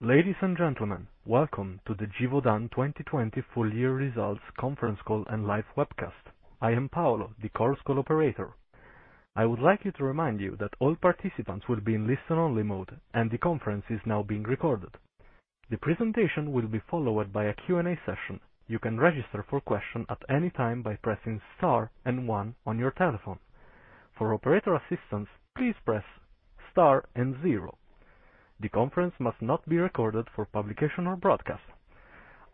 Ladies and gentlemen, welcome to the Givaudan 2020 full year results conference call and live webcast. I am Paolo, the Chorus Call operator. I would like to remind you that all participants will be in listen-only mode, and the conference is now being recorded. The presentation will be followed by a Q&A session. You can register for question at any time by pressing star and one on your telephone. For operator assistance, please press star and zero. The conference must not be recorded for publication or broadcast.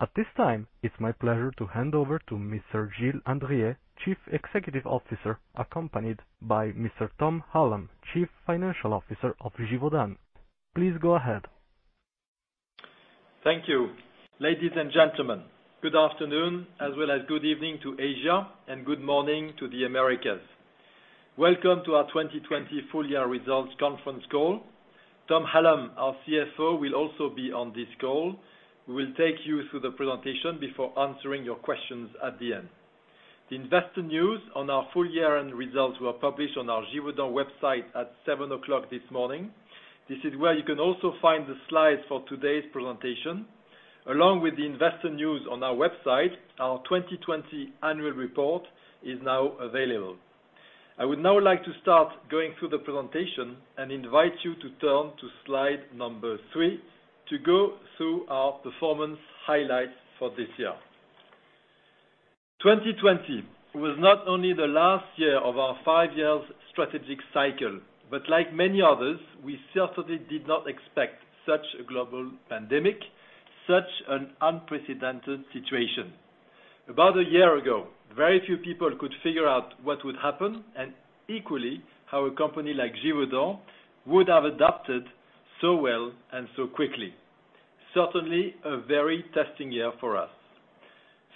At this time, it's my pleasure to hand over to Mr. Gilles Andrier, Chief Executive Officer, accompanied by Mr. Tom Hallam, Chief Financial Officer of Givaudan. Please go ahead. Thank you. Ladies and gentlemen, good afternoon, as well as good evening to Asia, and good morning to the Americas. Welcome to our 2020 full year results conference call. Tom Hallam, our CFO, will also be on this call. We will take you through the presentation before answering your questions at the end. The investor news on our full year-end results were published on our Givaudan website at 7:00 A.M. this morning. This is where you can also find the slides for today's presentation, along with the investor news on our website, our 2020 annual report is now available. I would now like to start going through the presentation and invite you to turn to slide number three to go through our performance highlights for this year. 2020 was not only the last year of our five years strategic cycle, like many others, we certainly did not expect such a global pandemic, such an unprecedented situation. About a year ago, very few people could figure out what would happen, equally, how a company like Givaudan would have adapted so well and so quickly. Certainly, a very testing year for us.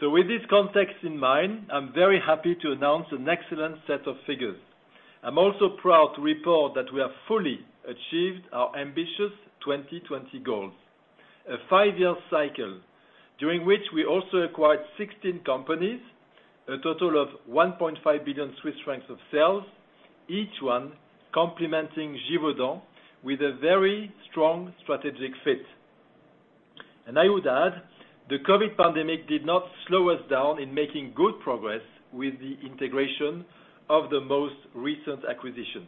With this context in mind, I'm very happy to announce an excellent set of figures. I'm also proud to report that we have fully achieved our ambitious 2020 goals. A five-year cycle during which we also acquired 16 companies, a total of 1.5 billion Swiss francs of sales, each one complementing Givaudan with a very strong strategic fit. I would add, the COVID pandemic did not slow us down in making good progress with the integration of the most recent acquisitions.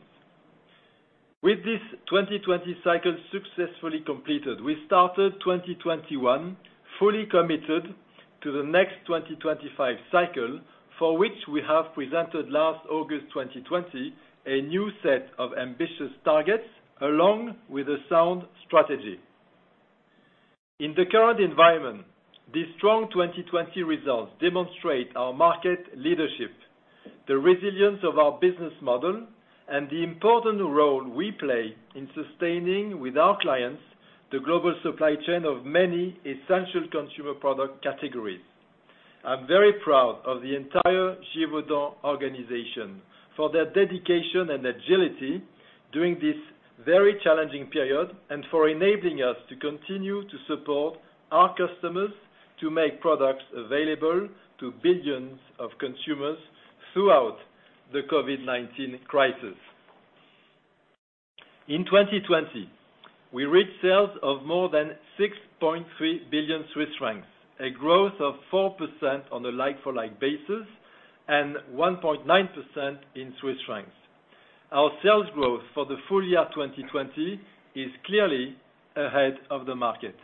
With this 2020 cycle successfully completed, we started 2021 fully committed to the next 2025 cycle, for which we have presented last August 2020 a new set of ambitious targets, along with a sound strategy. In the current environment, these strong 2020 results demonstrate our market leadership, the resilience of our business model, and the important role we play in sustaining with our clients the global supply chain of many essential consumer product categories. I'm very proud of the entire Givaudan organization for their dedication and agility during this very challenging period, and for enabling us to continue to support our customers to make products available to billions of consumers throughout the COVID-19 crisis. In 2020, we reached sales of more than 6.3 billion Swiss francs, a growth of 4% on a like-for-like basis, and 1.9% in CHF. Our sales growth for the full year 2020 is clearly ahead of the market.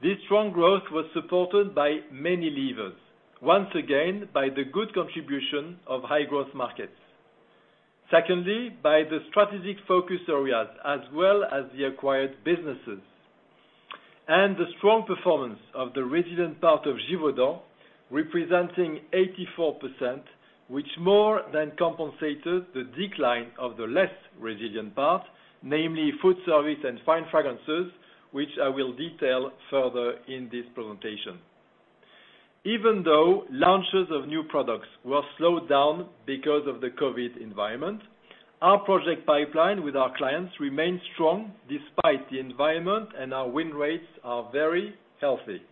This strong growth was supported by many levers, once again, by the good contribution of high-growth markets. Secondly, by the strategic focus areas, as well as the acquired businesses. The strong performance of the resilient part of Givaudan, representing 84%, which more than compensated the decline of the less resilient part, namely food service and Fine Fragrance, which I will detail further in this presentation. Even though launches of new products were slowed down because of the COVID-19 environment, our project pipeline with our clients remained strong despite the environment, and our win rates are very healthy.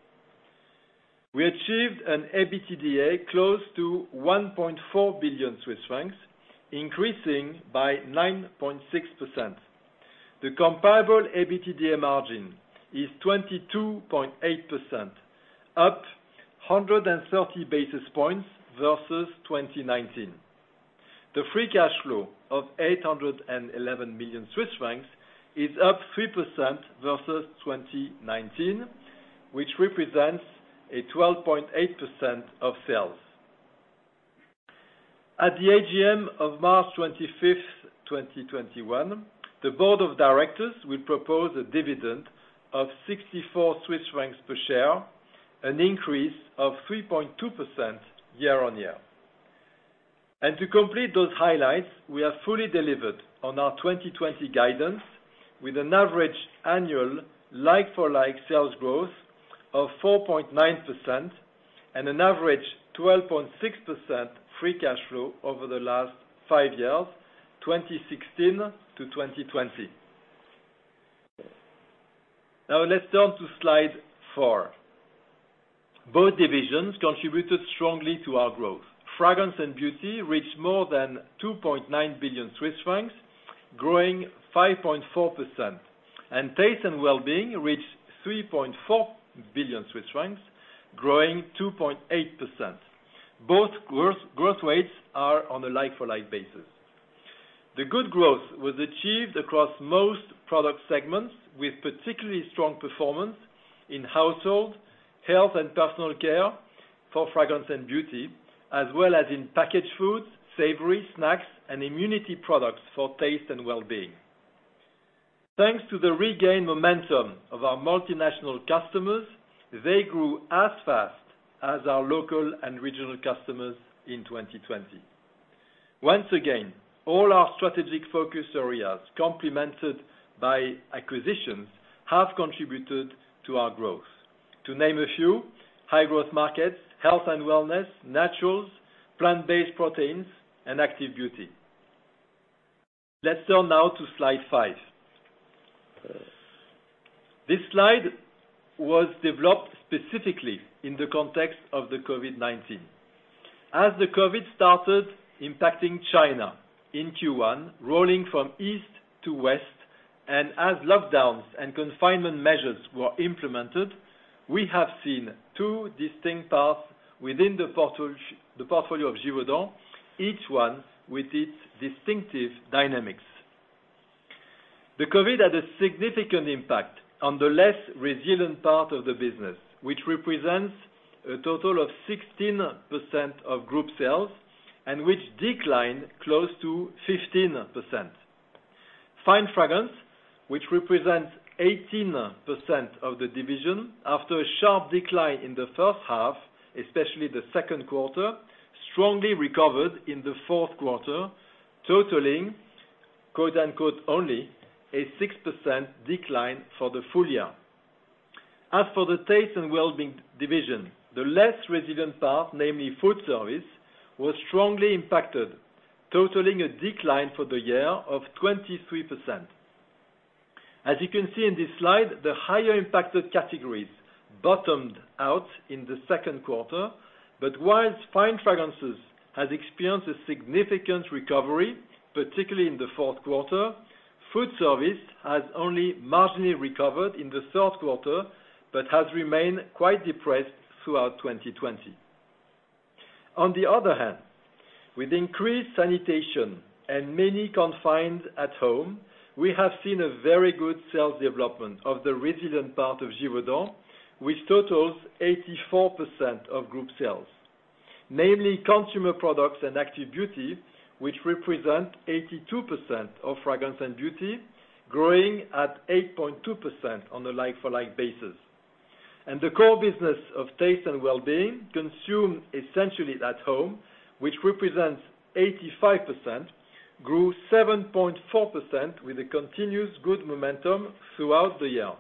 We achieved an EBITDA close to 1.4 billion Swiss francs, increasing by 9.6%. The comparable EBITDA margin is 22.8%, up 130 basis points versus 2019. The free cash flow of 811 million Swiss francs is up 3% versus 2019, which represents a 12.8% of sales. At the AGM of March 25th, 2021, the board of directors will propose a dividend of 64 Swiss francs per share, an increase of 3.2% year-over-year. To complete those highlights, we have fully delivered on our 2020 guidance with an average annual like-for-like sales growth of 4.9% and an average 12.6% free cash flow over the last five years, 2016 to 2020. Let's turn to slide four. Both divisions contributed strongly to our growth. Fragrance & Beauty reached more than 2.9 billion Swiss francs, growing 5.4%, and Taste & Wellbeing reached 3.4 billion Swiss francs, growing 2.8%. Both growth rates are on a like-for-like basis. The good growth was achieved across most product segments, with particularly strong performance in household, health, and personal care for Fragrance & Beauty, as well as in packaged foods, savory snacks, and immunity products for Taste & Wellbeing. Thanks to the regained momentum of our multinational customers, they grew as fast as our local and regional customers in 2020. Once again, all our strategic focus areas, complemented by acquisitions, have contributed to our growth. To name a few, high-growth markets, health and wellness, naturals, plant-based proteins, and Active Beauty. Let's turn now to slide five. This slide was developed specifically in the context of the COVID-19. As the COVID-19 started impacting China in Q1, rolling from east to west, and as lockdowns and confinement measures were implemented, we have seen two distinct paths within the portfolio of Givaudan, each one with its distinctive dynamics. COVID-19 had a significant impact on the less resilient part of the business, which represents a total of 16% of group sales and which declined close to 15%. Fine Fragrance, which represents 18% of the division, after a sharp decline in the first half, especially the second quarter, strongly recovered in the fourth quarter, totaling "only" a 6% decline for the full year. As for the Taste & Wellbeing division, the less resilient part, namely food service, was strongly impacted, totaling a decline for the year of 23%. As you can see in this slide, the higher impacted categories bottomed out in the second quarter. Whilst Fine Fragrance has experienced a significant recovery, particularly in the fourth quarter, food service has only marginally recovered in the third quarter but has remained quite depressed throughout 2020. On the other hand, with increased sanitation and many confined at home, we have seen a very good sales development of the resilient part of Givaudan, which totals 84% of group sales, namely Consumer Products and Active Beauty, which represent 82% of Fragrance & Beauty, growing at 8.2% on a like-for-like basis. The core business of Taste & Wellbeing, consumed essentially at home, which represents 85%, grew 7.4% with a continuous good momentum throughout the year.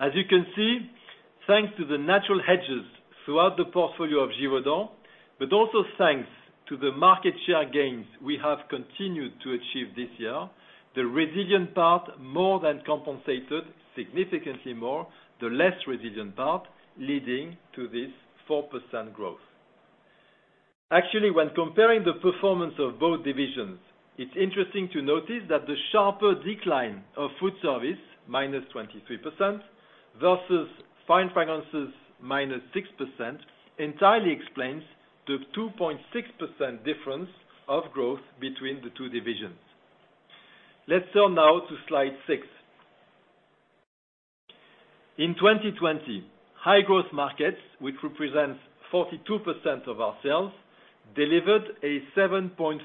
As you can see, thanks to the natural hedges throughout the portfolio of Givaudan, but also thanks to the market share gains we have continued to achieve this year, the resilient part more than compensated, significantly more, the less resilient part, leading to this 4% growth. Actually, when comparing the performance of both divisions, it's interesting to notice that the sharper decline of food service, -23%, versus Fine Fragrances, -6%, entirely explains the 2.6% difference of growth between the two divisions. Let's turn now to slide six. In 2020, high-growth markets, which represents 42% of our sales, delivered a 7.4%,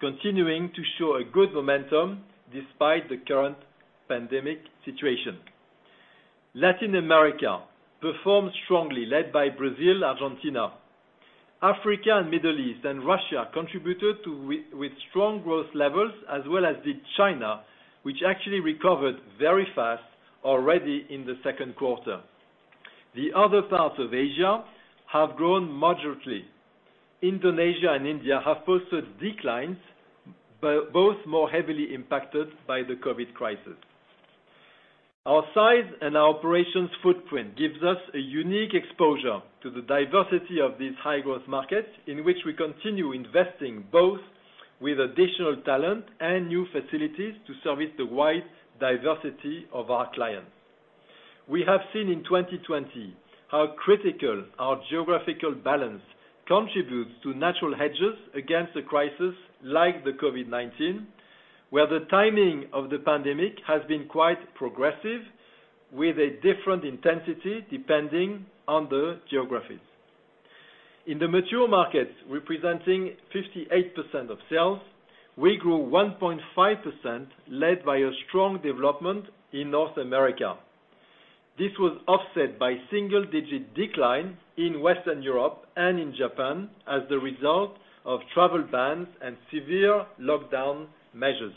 continuing to show a good momentum despite the current pandemic situation. Latin America performed strongly, led by Brazil, Argentina. Africa and Middle East and Russia contributed with strong growth levels as well as did China, which actually recovered very fast already in the second quarter. The other parts of Asia have grown moderately. Indonesia and India have posted declines, both more heavily impacted by the COVID crisis. Our size and our operations footprint gives us a unique exposure to the diversity of these high-growth markets in which we continue investing both with additional talent and new facilities to service the wide diversity of our clients. We have seen in 2020 how critical our geographical balance contributes to natural hedges against a crisis like the COVID-19, where the timing of the pandemic has been quite progressive, with a different intensity depending on the geographies. In the mature markets, representing 58% of sales, we grew 1.5%, led by a strong development in North America. This was offset by single-digit decline in Western Europe and in Japan as a result of travel bans and severe lockdown measures.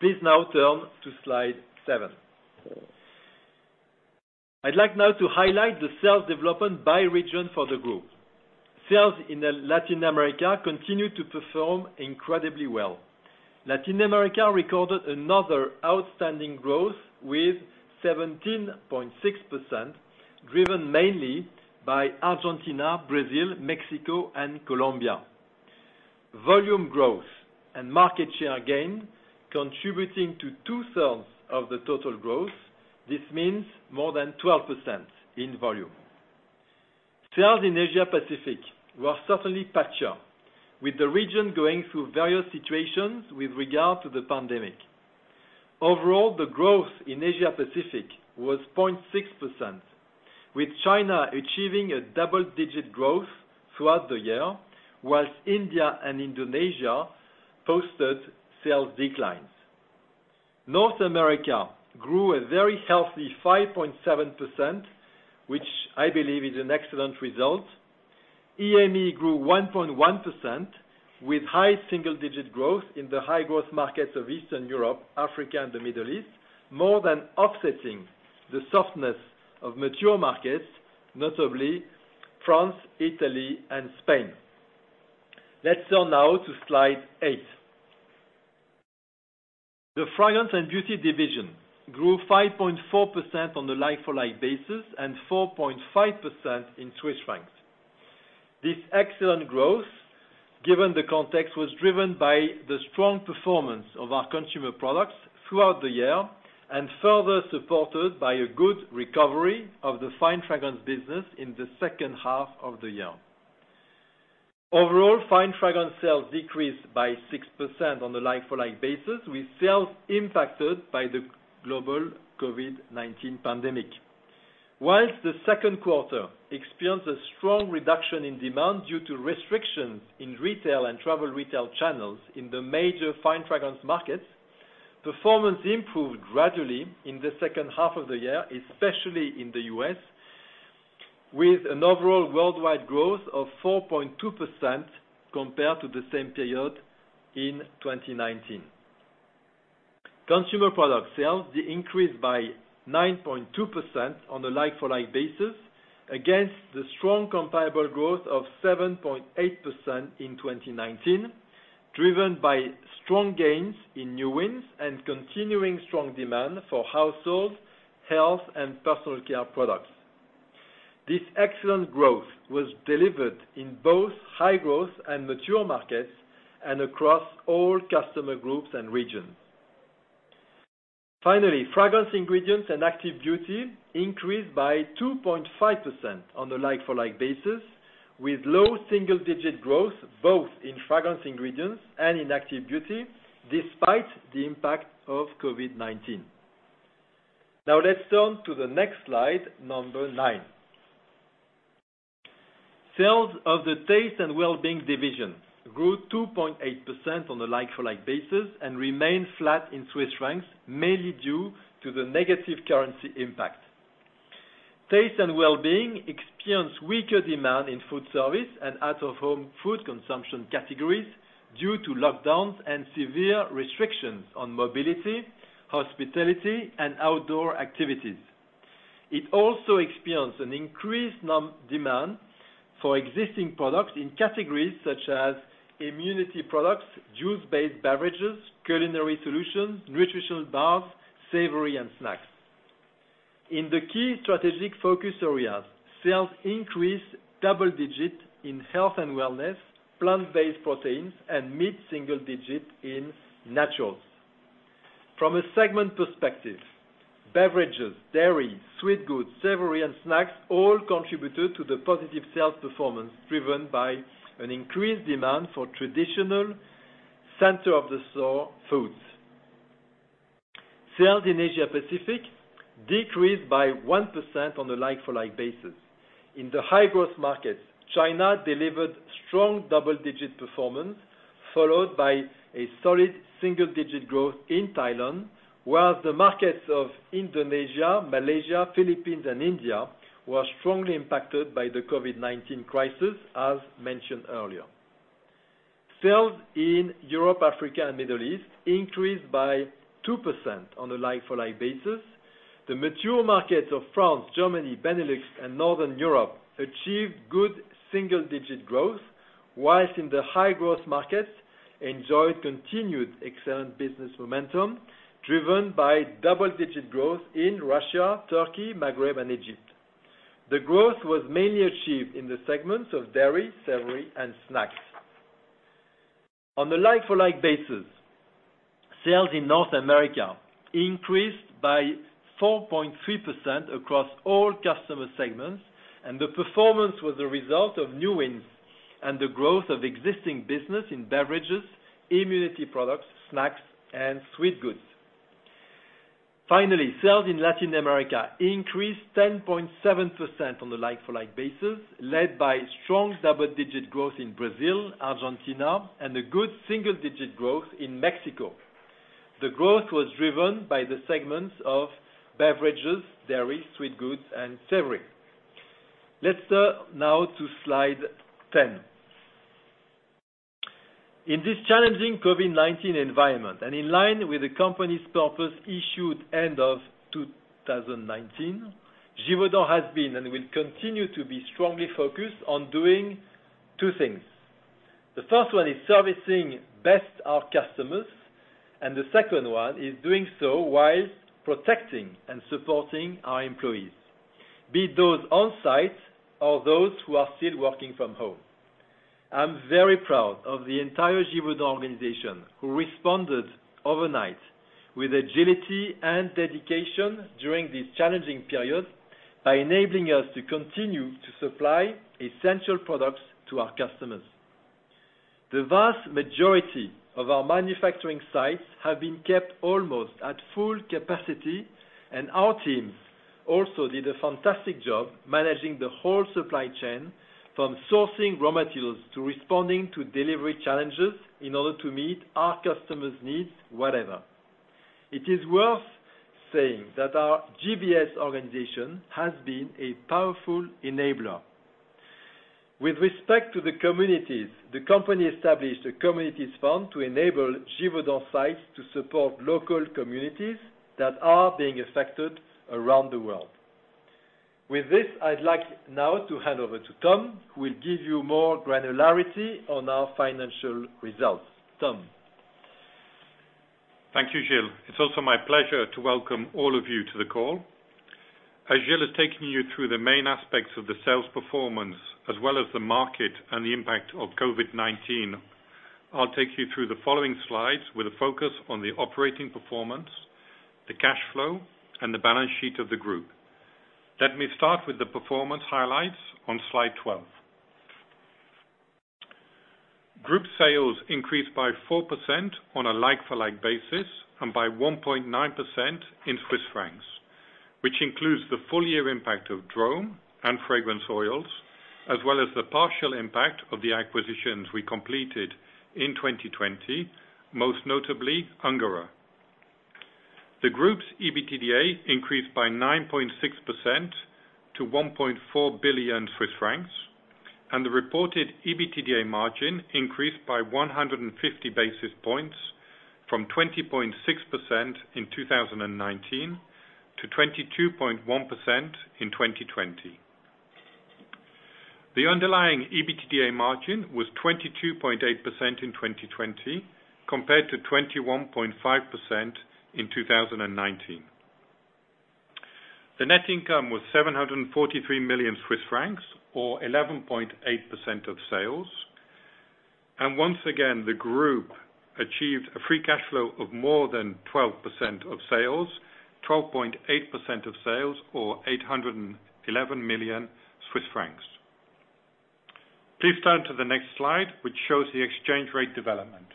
Please now turn to slide seven. I'd like now to highlight the sales development by region for the group. Sales in Latin America continue to perform incredibly well. Latin America recorded another outstanding growth with 17.6%, driven mainly by Argentina, Brazil, Mexico, and Colombia. Volume growth and market share gain contributing to 2/3 of the total growth. This means more than 12% in volume. Sales in Asia Pacific were certainly patchier, with the region going through various situations with regard to the pandemic. Overall, the growth in Asia Pacific was 0.6%, with China achieving a double-digit growth throughout the year, whilst India and Indonesia posted sales declines. North America grew a very healthy 5.7%, which I believe is an excellent result. EAME grew 1.1% with high single-digit growth in the high-growth markets of Eastern Europe, Africa, and the Middle East, more than offsetting the softness of mature markets, notably France, Italy, and Spain. Let's turn now to slide eight. The Fragrance & Beauty division grew 5.4% on a like-for-like basis and 4.5% in CHF. This excellent growth, given the context, was driven by the strong performance of our Consumer Products throughout the year, and further supported by a good recovery of the Fine Fragrance business in the second half of the year. Overall, Fine Fragrance sales decreased by 6% on a like-for-like basis, with sales impacted by the global COVID-19 pandemic. The second quarter experienced a strong reduction in demand due to restrictions in retail and travel retail channels in the major Fine Fragrance markets, performance improved gradually in the second half of the year, especially in the U.S., with an overall worldwide growth of 4.2% compared to the same period in 2019. Consumer Products sales increased by 9.2% on a like-for-like basis against the strong comparable growth of 7.8% in 2019, driven by strong gains in new wins and continuing strong demand for household, health, and personal care products. This excellent growth was delivered in both high-growth and mature markets, and across all customer groups and regions. Finally, Fragrance Ingredients and Active Beauty increased by 2.5% on a like-for-like basis, with low double-digit growth both in Fragrance Ingredients and in Active Beauty, despite the impact of COVID-19. Now let's turn to the next slide, number nine. Sales of the Taste & Wellbeing division grew 2.8% on a like-for-like basis and remained flat in CHF, mainly due to the negative currency impact. Taste & Wellbeing experienced weaker demand in food service and out-of-home food consumption categories due to lockdowns and severe restrictions on mobility, hospitality, and outdoor activities. It also experienced an increased demand for existing products in categories such as immunity products, juice-based beverages, culinary solutions, nutritional bars, savory, and snacks. In the key strategic focus areas, sales increased double digits in health and wellness, plant-based proteins, and mid-single digits in naturals. From a segment perspective, beverages, dairy, sweet goods, savory, and snacks all contributed to the positive sales performance, driven by an increased demand for traditional center-of-the-store foods. Sales in Asia Pacific decreased by 1% on a like-for-like basis. In the high-growth markets, China delivered strong double-digit performance, followed by a solid single-digit growth in Thailand, whereas the markets of Indonesia, Malaysia, Philippines, and India were strongly impacted by the COVID-19 crisis, as mentioned earlier. Sales in Europe, Africa, and Middle East increased by 2% on a like-for-like basis. The mature markets of France, Germany, Benelux, and Northern Europe achieved good single-digit growth, whilst the high-growth markets enjoyed continued excellent business momentum, driven by double-digit growth in Russia, Turkey, Maghreb, and Egypt. The growth was mainly achieved in the segments of dairy, savory, and snacks. On a like-for-like basis, sales in North America increased by 4.3% across all customer segments, and the performance was a result of new wins and the growth of existing business in beverages, immunity products, snacks, and sweet goods. Finally, sales in Latin America increased 10.7% on a like-for-like basis, led by strong double-digit growth in Brazil, Argentina, and a good single-digit growth in Mexico. The growth was driven by the segments of beverages, dairy, sweet goods, and savory. Let's turn now to slide 10. In this challenging COVID-19 environment, in line with the company's purpose issued end of 2019, Givaudan has been and will continue to be strongly focused on doing two things. The first one is servicing best our customers, and the second one is doing so while protecting and supporting our employees, be those on-site or those who are still working from home. I'm very proud of the entire Givaudan organization who responded overnight with agility and dedication during this challenging period by enabling us to continue to supply essential products to our customers. The vast majority of our manufacturing sites have been kept almost at full capacity, and our teams also did a fantastic job managing the whole supply chain, from sourcing raw materials to responding to delivery challenges in order to meet our customers' needs wherever. It is worth saying that our GBS organization has been a powerful enabler. With respect to the communities, the company established a communities fund to enable Givaudan sites to support local communities that are being affected around the world. With this, I'd like now to hand over to Tom, who will give you more granularity on our financial results. Tom? Thank you, Gilles. It's also my pleasure to welcome all of you to the call. As Gilles is taking you through the main aspects of the sales performance, as well as the market and the impact of COVID-19, I'll take you through the following slides with a focus on the operating performance, the cash flow, and the balance sheet of the group. Let me start with the performance highlights on slide 12. Group sales increased by 4% on a like-for-like basis, and by 1.9% in CHF, which includes the full year impact of Drom and Fragrance Oils, as well as the partial impact of the acquisitions we completed in 2020, most notably Ungerer. The group's EBITDA increased by 9.6% to 1.4 billion Swiss francs, and the reported EBITDA margin increased by 150 basis points from 20.6% in 2019 to 22.1% in 2020. The underlying EBITDA margin was 22.8% in 2020 compared to 21.5% in 2019. The net income was 743 million Swiss francs, or 11.8% of sales. Once again, the group achieved a free cash flow of more than 12% of sales, 12.8% of sales, or 811 million Swiss francs. Please turn to the next slide, which shows the exchange rate development.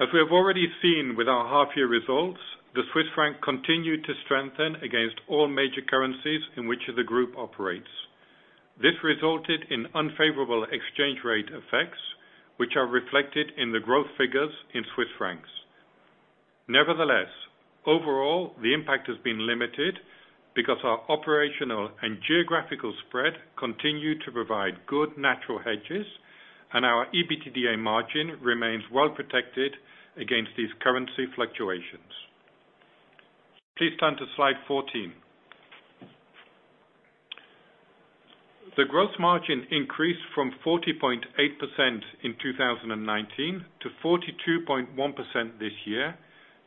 As we have already seen with our half year results, the Swiss franc continued to strengthen against all major currencies in which the group operates. This resulted in unfavorable exchange rate effects, which are reflected in the growth figures in CHF. Nevertheless, overall, the impact has been limited because our operational and geographical spread continued to provide good natural hedges, and our EBITDA margin remains well protected against these currency fluctuations. Please turn to slide 14. The gross margin increased from 40.8% in 2019 to 42.1% this year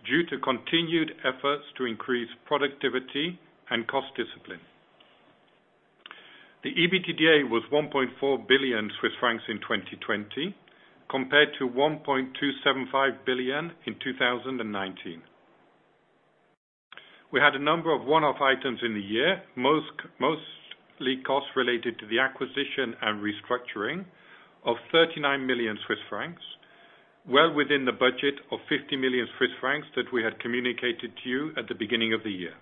due to continued efforts to increase productivity and cost discipline. The EBITDA was 1.4 billion Swiss francs in 2020 compared to 1.275 billion in 2019. We had a number of one-off items in the year, mostly costs related to the acquisition and restructuring of 39 million Swiss francs, well within the budget of 50 million Swiss francs that we had communicated to you at the beginning of the year.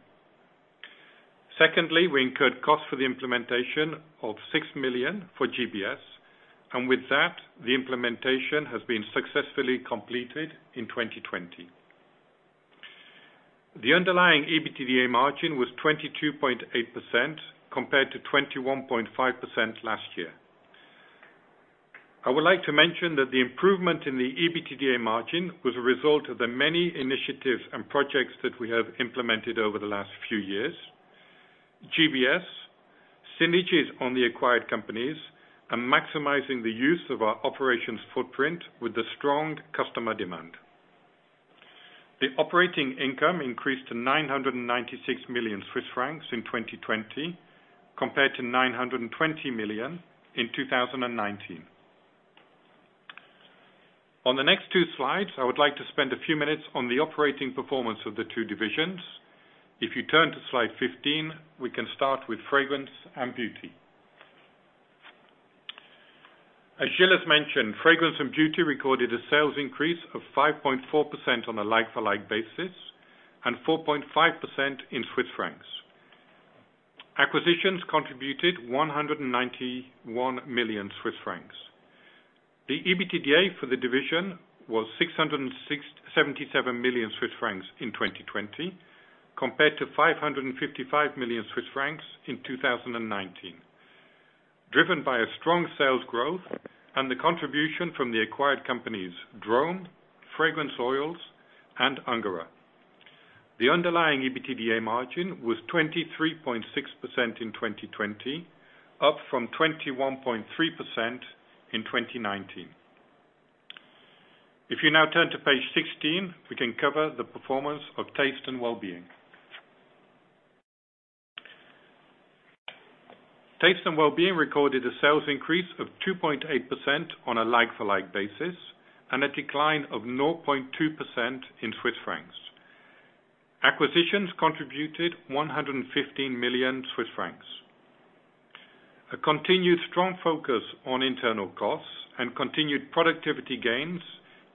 Secondly, we incurred costs for the implementation of 6 million for GBS, and with that, the implementation has been successfully completed in 2020. The underlying EBITDA margin was 22.8% compared to 21.5% last year. I would like to mention that the improvement in the EBITDA margin was a result of the many initiatives and projects that we have implemented over the last few years. GBS, synergies on the acquired companies, and maximizing the use of our operations footprint with the strong customer demand. The operating income increased to 996 million Swiss francs in 2020 compared to 920 million in 2019. On the next two slides, I would like to spend a few minutes on the operating performance of the two divisions. If you turn to slide 15, we can start with Fragrance & Beauty. As Gilles has mentioned, Fragrance & Beauty recorded a sales increase of 5.4% on a like-for-like basis, and 4.5% in Swiss francs. Acquisitions contributed 191 million Swiss francs. The EBITDA for the division was 677 million Swiss francs in 2020, compared to 555 million Swiss francs in 2019, driven by a strong sales growth and the contribution from the acquired companies Drom, Fragrance Oils, and Ungerer. The underlying EBITDA margin was 23.6% in 2020, up from 21.3% in 2019. If you now turn to page 16, we can cover the performance of Taste & Wellbeing. Taste & Wellbeing recorded a sales increase of 2.8% on a like-for-like basis and a decline of 0.2% in CHF. Acquisitions contributed 115 million Swiss francs. A continued strong focus on internal costs and continued productivity gains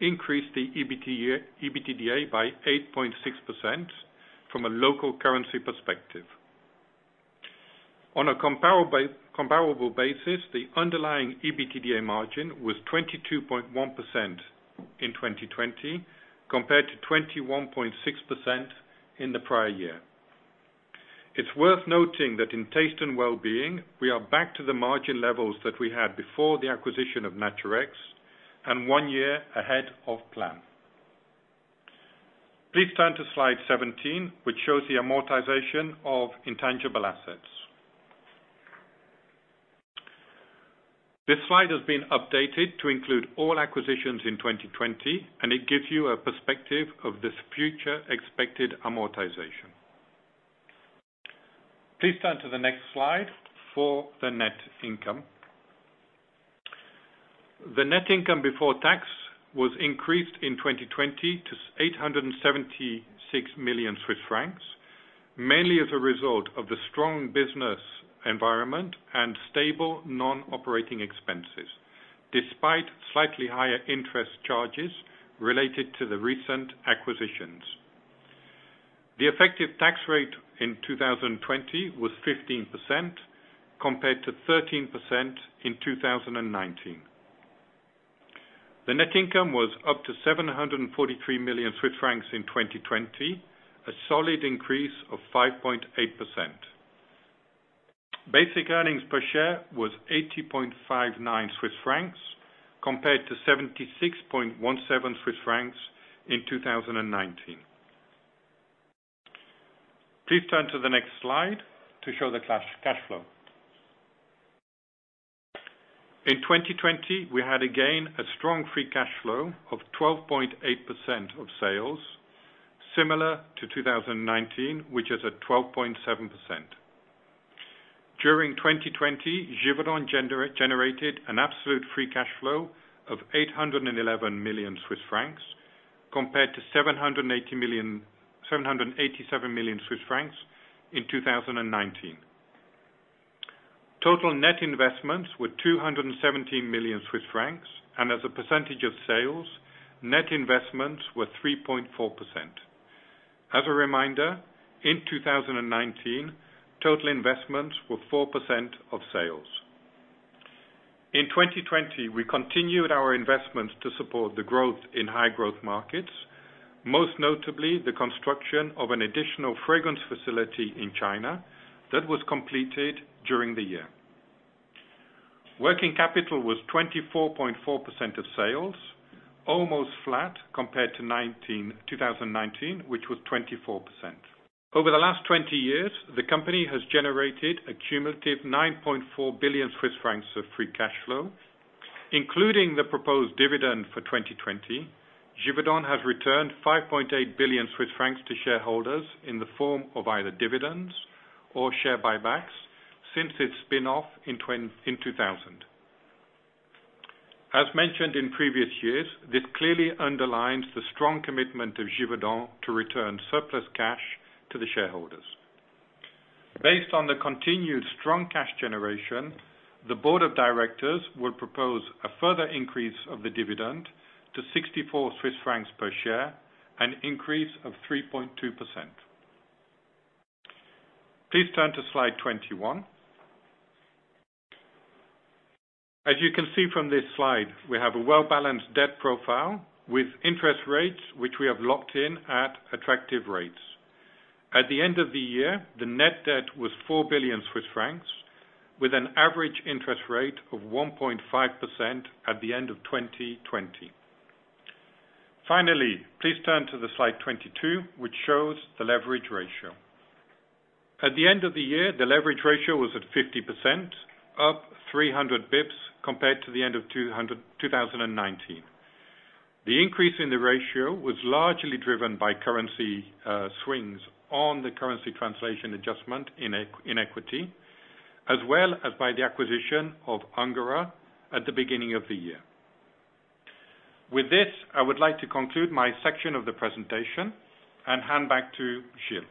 increased the EBITDA by 8.6% from a local currency perspective. On a comparable basis, the underlying EBITDA margin was 22.1% in 2020, compared to 21.6% in the prior year. It's worth noting that in Taste & Wellbeing, we are back to the margin levels that we had before the acquisition of Naturex and one year ahead of plan. Please turn to Slide 17, which shows the amortization of intangible assets. This slide has been updated to include all acquisitions in 2020, and it gives you a perspective of this future expected amortization. Please turn to the next slide for the net income. The net income before tax was increased in 2020 to 876 million Swiss francs, mainly as a result of the strong business environment and stable non-operating expenses despite slightly higher interest charges related to the recent acquisitions. The effective tax rate in 2020 was 15%, compared to 13% in 2019. The net income was up to 743 million Swiss francs in 2020, a solid increase of 5.8%. Basic earnings per share was 80.59 Swiss francs compared to 76.17 Swiss francs in 2019. Please turn to the next slide to show the cash flow. In 2020, we had again, a strong free cash flow of 12.8% of sales, similar to 2019, which is at 12.7%. During 2020, Givaudan generated an absolute free cash flow of 811 million Swiss francs compared to 787 million Swiss francs in 2019. Total net investments were 217 million Swiss francs, and as a percentage of sales, net investments were 3.4%. As a reminder, in 2019, total investments were 4% of sales. In 2020, we continued our investments to support the growth in high growth markets, most notably the construction of an additional fragrance facility in China that was completed during the year. Working capital was 24.4% of sales, almost flat compared to 2019, which was 24%. Over the last 20 years, the company has generated a cumulative 9.4 billion Swiss francs of free cash flow. Including the proposed dividend for 2020, Givaudan has returned 5.8 billion Swiss francs to shareholders in the form of either dividends or share buybacks since its spin-off in 2000. As mentioned in previous years, this clearly underlines the strong commitment of Givaudan to return surplus cash to the shareholders. Based on the continued strong cash generation, the board of directors will propose a further increase of the dividend to 64 Swiss francs per share, an increase of 3.2%. Please turn to slide 21. As you can see from this slide, we have a well-balanced debt profile with interest rates, which we have locked in at attractive rates. At the end of the year, the net debt was 4 billion Swiss francs, with an average interest rate of 1.5% at the end of 2020. Finally, please turn to the slide 22, which shows the leverage ratio. At the end of the year, the leverage ratio was at 50%, up 300 bps compared to the end of 2019. The increase in the ratio was largely driven by currency swings on the currency translation adjustment in equity, as well as by the acquisition of Ungerer at the beginning of the year. With this, I would like to conclude my section of the presentation and hand back to Gilles.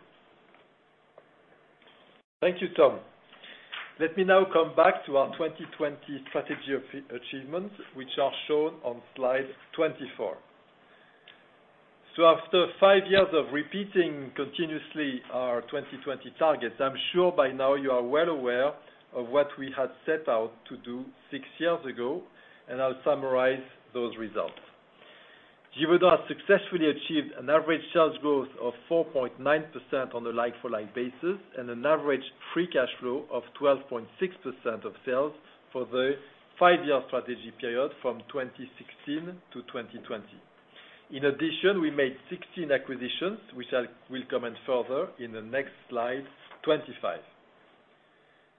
Thank you, Tom. Let me now come back to our 2020 strategy achievements, which are shown on slide 24. After five years of repeating continuously our 2020 targets, I'm sure by now you are well aware of what we had set out to do six years ago, and I'll summarize those results. Givaudan successfully achieved an average sales growth of 4.9% on a like-for-like basis and an average free cash flow of 12.6% of sales for the five-year strategy period from 2016 to 2020. In addition, we made 16 acquisitions, which I will comment further in the next slide 25.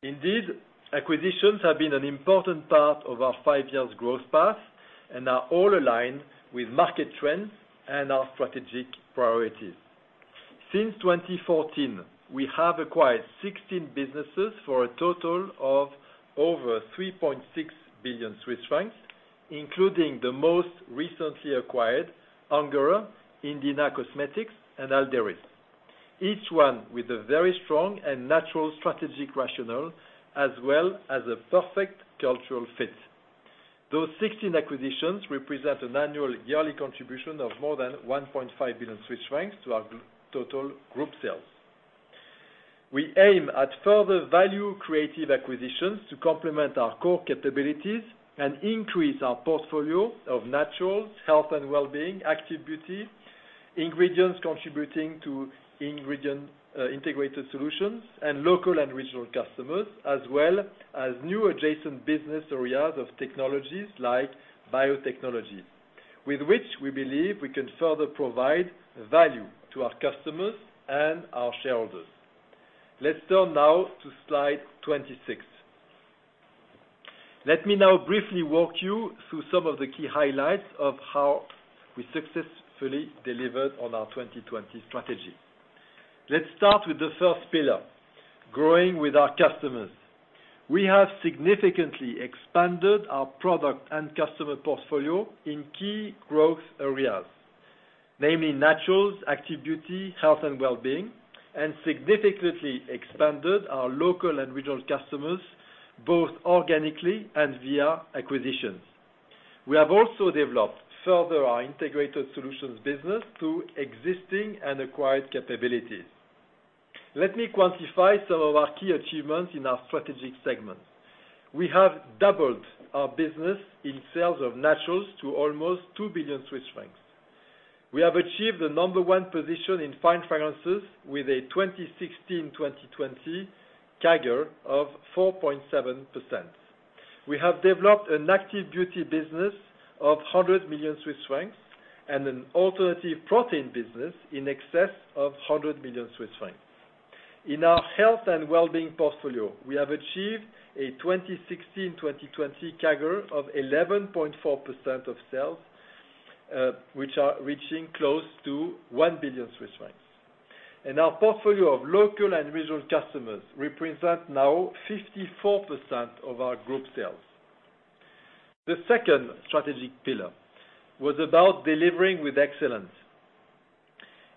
Indeed, acquisitions have been an important part of our five years growth path and are all aligned with market trends and our strategic priorities. Since 2014, we have acquired 16 businesses for a total of over 3.6 billion Swiss francs, including the most recently acquired Ungerer, Indena Cosmetics, and Alderys. Each one with a very strong and natural strategic rationale as well as a perfect cultural fit. Those 16 acquisitions represent an annual yearly contribution of more than 1.5 billion Swiss francs to our total group sales. We aim at further value creative acquisitions to complement our core capabilities and increase our portfolio of naturals, health and wellbeing, Active Beauty, ingredients contributing to integrated solutions and local and regional customers, as well as new adjacent business areas of technologies like biotechnology. With which we believe we can further provide value to our customers and our shareholders. Let's turn now to slide 26. Let me now briefly walk you through some of the key highlights of how we successfully delivered on our 2020 strategy. Let's start with the first pillar, growing with our customers. We have significantly expanded our product and customer portfolio in key growth areas, namely naturals, Active Beauty, health and wellbeing, and significantly expanded our local and regional customers, both organically and via acquisitions. We have also developed further our integrated solutions business through existing and acquired capabilities. Let me quantify some of our key achievements in our strategic segments. We have doubled our business in sales of naturals to almost 2 billion Swiss francs. We have achieved the number one position in Fine Fragrance with a 2016-2020 CAGR of 4.7%. We have developed an Active Beauty business of 100 million Swiss francs and an alternative protein business in excess of 100 million Swiss francs. In our health and wellbeing portfolio, we have achieved a 2016-2020 CAGR of 11.4% of sales, which are reaching close to 1 billion Swiss francs. Our portfolio of local and regional customers represent now 54% of our group sales. The second strategic pillar was about delivering with excellence.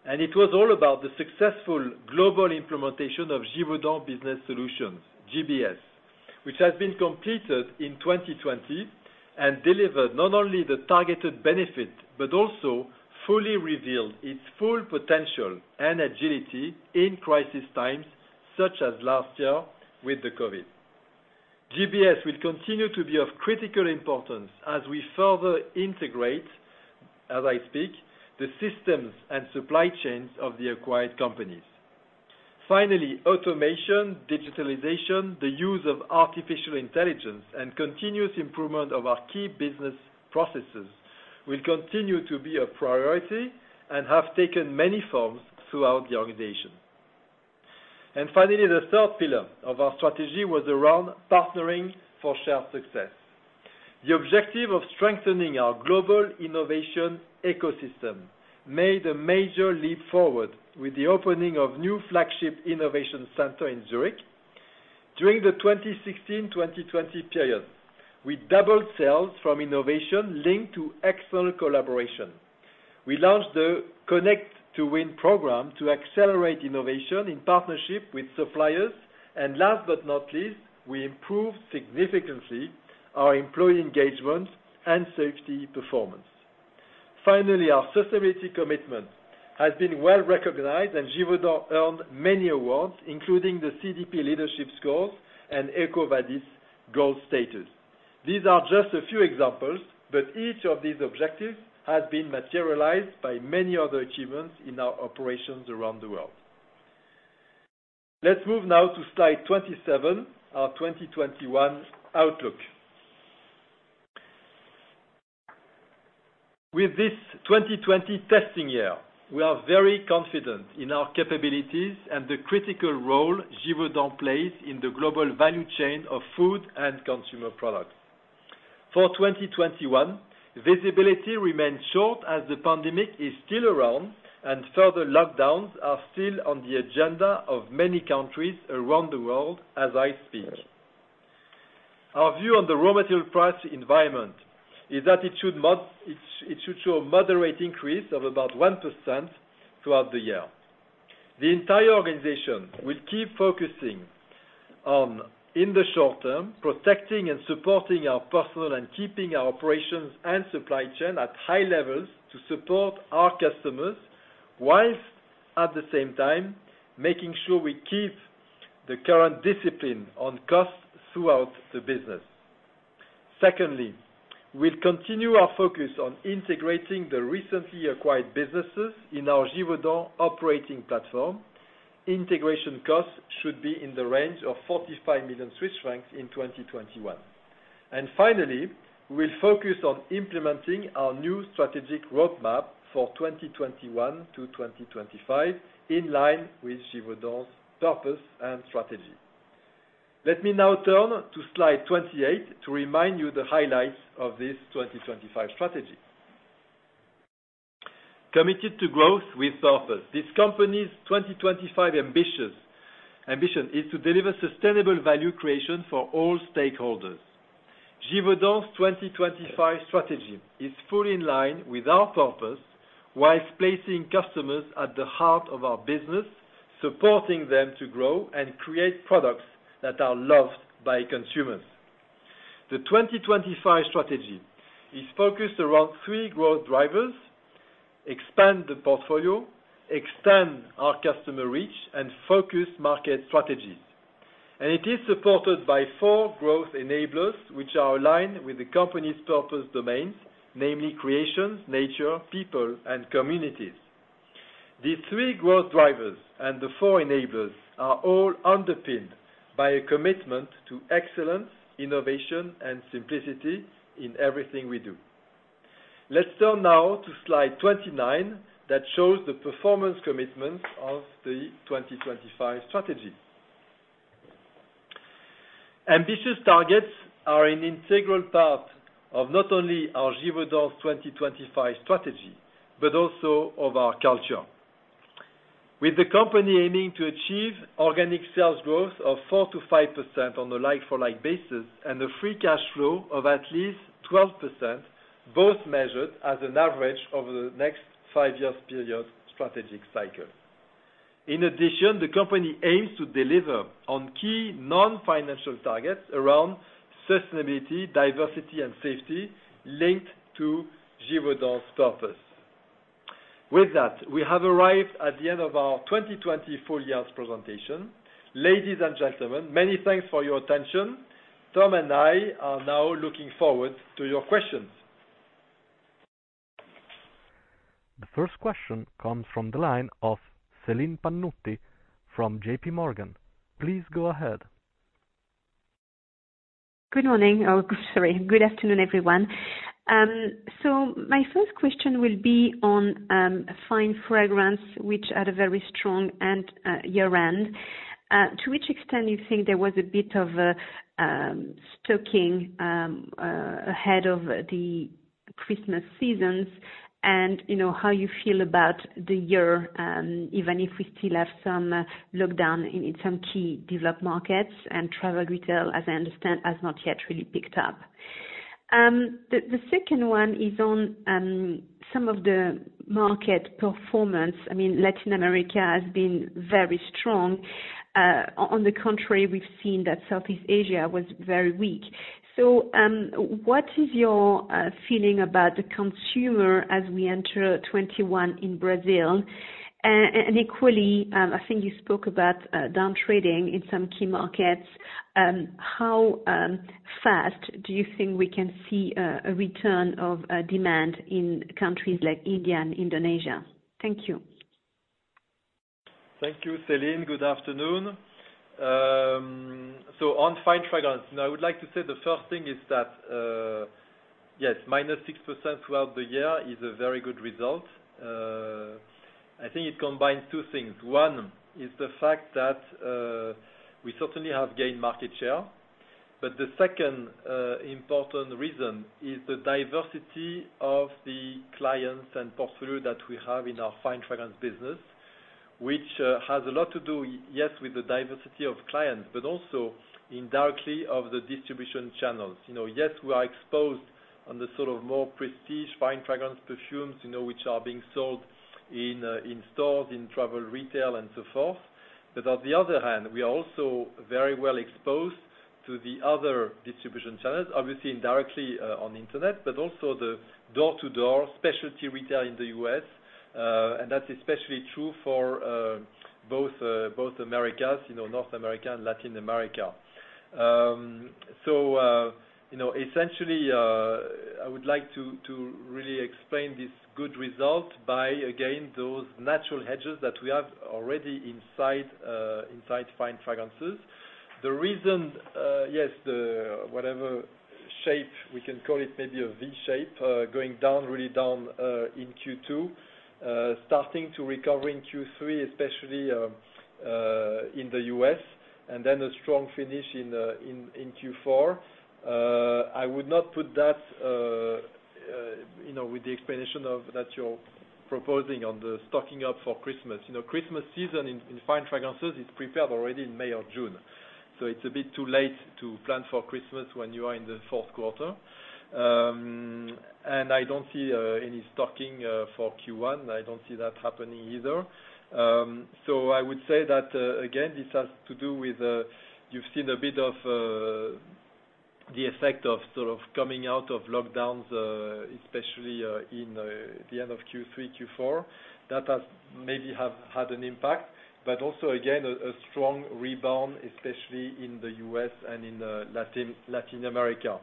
It was all about the successful global implementation of Givaudan Business Solutions, GBS, which has been completed in 2020 and delivered not only the targeted benefit, but also fully revealed its full potential and agility in crisis times, such as last year with the COVID. GBS will continue to be of critical importance as we further integrate, as I speak, the systems and supply chains of the acquired companies. Finally, automation, digitalization, the use of artificial intelligence, and continuous improvement of our key business processes will continue to be a priority and have taken many forms throughout the organization. Finally, the third pillar of our strategy was around partnering for shared success. The objective of strengthening our global innovation ecosystem made a major leap forward with the opening of new flagship innovation center in Zurich during the 2016, 2020 period. We doubled sales from innovation linked to external collaboration. Last but not least, we launched the Connect to Win program to accelerate innovation in partnership with suppliers, and we improved significantly our employee engagement and safety performance. Finally, our society commitment has been well-recognized, and Givaudan earned many awards, including the CDP leadership scores and EcoVadis gold status. These are just a few examples, but each of these objectives has been materialized by many other achievements in our operations around the world. Let's move now to slide 27, our 2021 outlook. With this 2020 testing year, we are very confident in our capabilities and the critical role Givaudan plays in the global value chain of food and consumer products. For 2021, visibility remains short as the pandemic is still around, and further lockdowns are still on the agenda of many countries around the world as I speak. Our view on the raw material price environment is that it should show a moderate increase of about 1% throughout the year. The entire organization will keep focusing on, in the short term, protecting and supporting our personnel and keeping our operations and supply chain at high levels to support our customers, while at the same time, making sure we keep the current discipline on costs throughout the business. Secondly, we'll continue our focus on integrating the recently acquired businesses in our Givaudan operating platform. Integration costs should be in the range of 45 million Swiss francs in 2021. Finally, we'll focus on implementing our new strategic roadmap for 2021 to 2025, in line with Givaudan's purpose and strategy. Let me now turn to slide 28 to remind you the highlights of this 2025 strategy. Committed to growth with purpose. This company's 2025 ambition is to deliver sustainable value creation for all stakeholders. Givaudan's 2025 strategy is fully in line with our purpose, whilst placing customers at the heart of our business, supporting them to grow and create products that are loved by consumers. The 2025 strategy is focused around three growth drivers: expand the portfolio, extend our customer reach, and focus market strategies. It is supported by four growth enablers, which are aligned with the company's purpose domains, namely creations, nature, people, and communities. These three growth drivers and the four enablers are all underpinned by a commitment to excellence, innovation, and simplicity in everything we do. Let's turn now to slide 29, that shows the performance commitments of the 2025 strategy. Ambitious targets are an integral part of not only our Givaudan's 2025 Strategy, but also of our culture. With the company aiming to achieve organic sales growth of 4%-5% on a like-for-like basis and a free cash flow of at least 12%, both measured as an average over the next five-year period strategic cycle. In addition, the company aims to deliver on key non-financial targets around sustainability, diversity, and safety linked to Givaudan's purpose. With that, we have arrived at the end of our 2020 full year presentation. Ladies and gentlemen, many thanks for your attention. Tom and I are now looking forward to your questions. The first question comes from the line of Celine Pannuti from JPMorgan. Please go ahead. Good morning. Oh, sorry. Good afternoon, everyone. My first question will be on Fine Fragrance, which had a very strong end year-end. To which extent you think there was a bit of stoking ahead of the Christmas seasons, and how you feel about the year, even if we still have some lockdown in some key developed markets and travel retail, as I understand, has not yet really picked up. The second one is on some of the market performance. Latin America has been very strong. On the contrary, we've seen that Southeast Asia was very weak. What is your feeling about the consumer as we enter 2021 in Brazil? Equally, I think you spoke about downtrading in some key markets. How fast do you think we can see a return of demand in countries like India and Indonesia? Thank you. Thank you, Celine. Good afternoon. On Fine Fragrance, I would like to say the first thing is that, yes, - 6% throughout the year is a very good result. I think it combines two things. One is the fact that we certainly have gained market share, but the second important reason is the diversity of the clients and portfolio that we have in our Fine Fragrance business, which has a lot to do, yes, with the diversity of clients, but also indirectly of the distribution channels. We are exposed on the more prestige Fine Fragrance perfumes, which are being sold in stores, in travel retail, and so forth. On the other hand, we are also very well exposed to the other distribution channels, obviously indirectly on the internet, but also the door-to-door specialty retail in the U.S. That's especially true for both Americas, North America and Latin America. Essentially, I would like to really explain this good result by, again, those natural hedges that we have already inside Fine Fragrances. The reason, yes, whatever shape, we can call it maybe a V shape, going down, really down, in Q2, starting to recover in Q3, especially in the U.S., then a strong finish in Q4. I would not put that with the explanation that you're proposing on the stocking up for Christmas. Christmas season in Fine Fragrances is prepared already in May or June. It's a bit too late to plan for Christmas when you are in the fourth quarter. I don't see any stocking for Q1. I don't see that happening either. I would say that, again, this has to do with, you've seen a bit of the effect of coming out of lockdowns, especially in the end of Q3, Q4. That has maybe had an impact, but also again, a strong rebound, especially in the U.S. and in Latin America.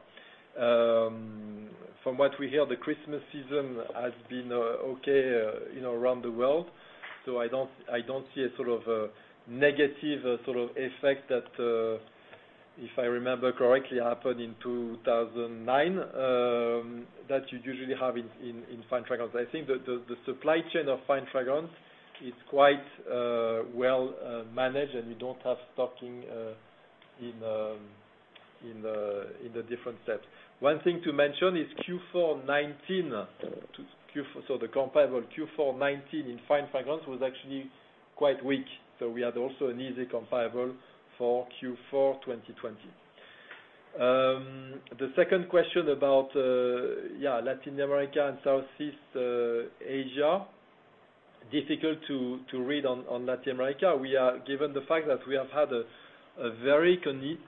From what we hear, the Christmas season has been okay around the world. I don't see a negative effect that, if I remember correctly, happened in 2009, that you usually have in Fine Fragrance. I think the supply chain of Fine Fragrance is quite well managed, and you don't have stocking in the different sets. One thing to mention is Q4 2019, so the comparable Q4 2019 in Fine Fragrance was actually quite weak. We had also an easy comparable for Q4 2020. The second question about Latin America and Southeast Asia, difficult to read on Latin America. Given the fact that we have had a very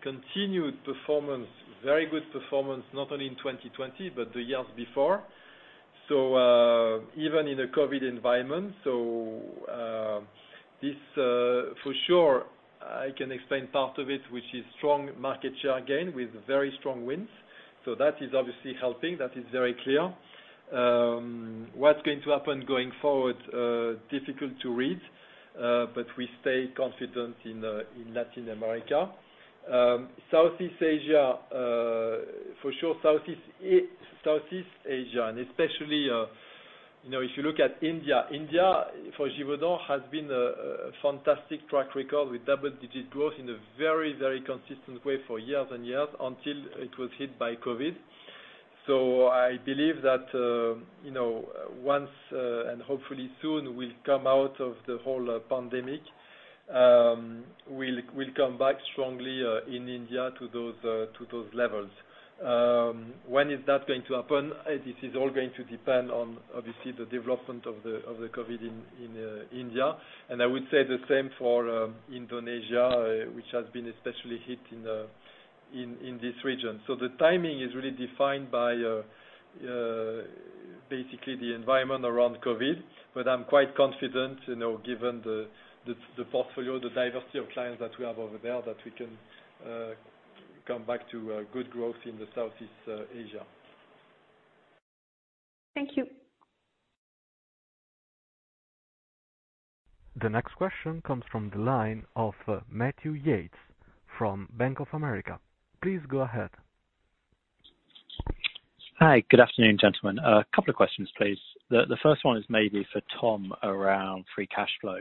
continued performance, very good performance, not only in 2020, but the years before. Even in a COVID environment, this for sure I can explain part of it, which is strong market share gain with very strong wins. That is obviously helping. That is very clear. What's going to happen going forward, difficult to read. We stay confident in Latin America. Southeast Asia, for sure, and especially, if you look at India for Givaudan has been a fantastic track record with double-digit growth in a very, very consistent way for years and years until it was hit by COVID. I believe that once, and hopefully soon, we'll come out of the whole pandemic, we'll come back strongly in India to those levels. When is that going to happen? This is all going to depend on, obviously, the development of the COVID-19 in India, and I would say the same for Indonesia, which has been especially hit in this region. The timing is really defined by basically the environment around COVID-19, but I'm quite confident, given the portfolio, the diversity of clients that we have over there, that we can come back to good growth in Southeast Asia. Thank you. The next question comes from the line of Matthew Yates from Bank of America. Please go ahead. Hi. Good afternoon, gentlemen. A couple of questions, please. The first one is maybe for Tom around free cash flow.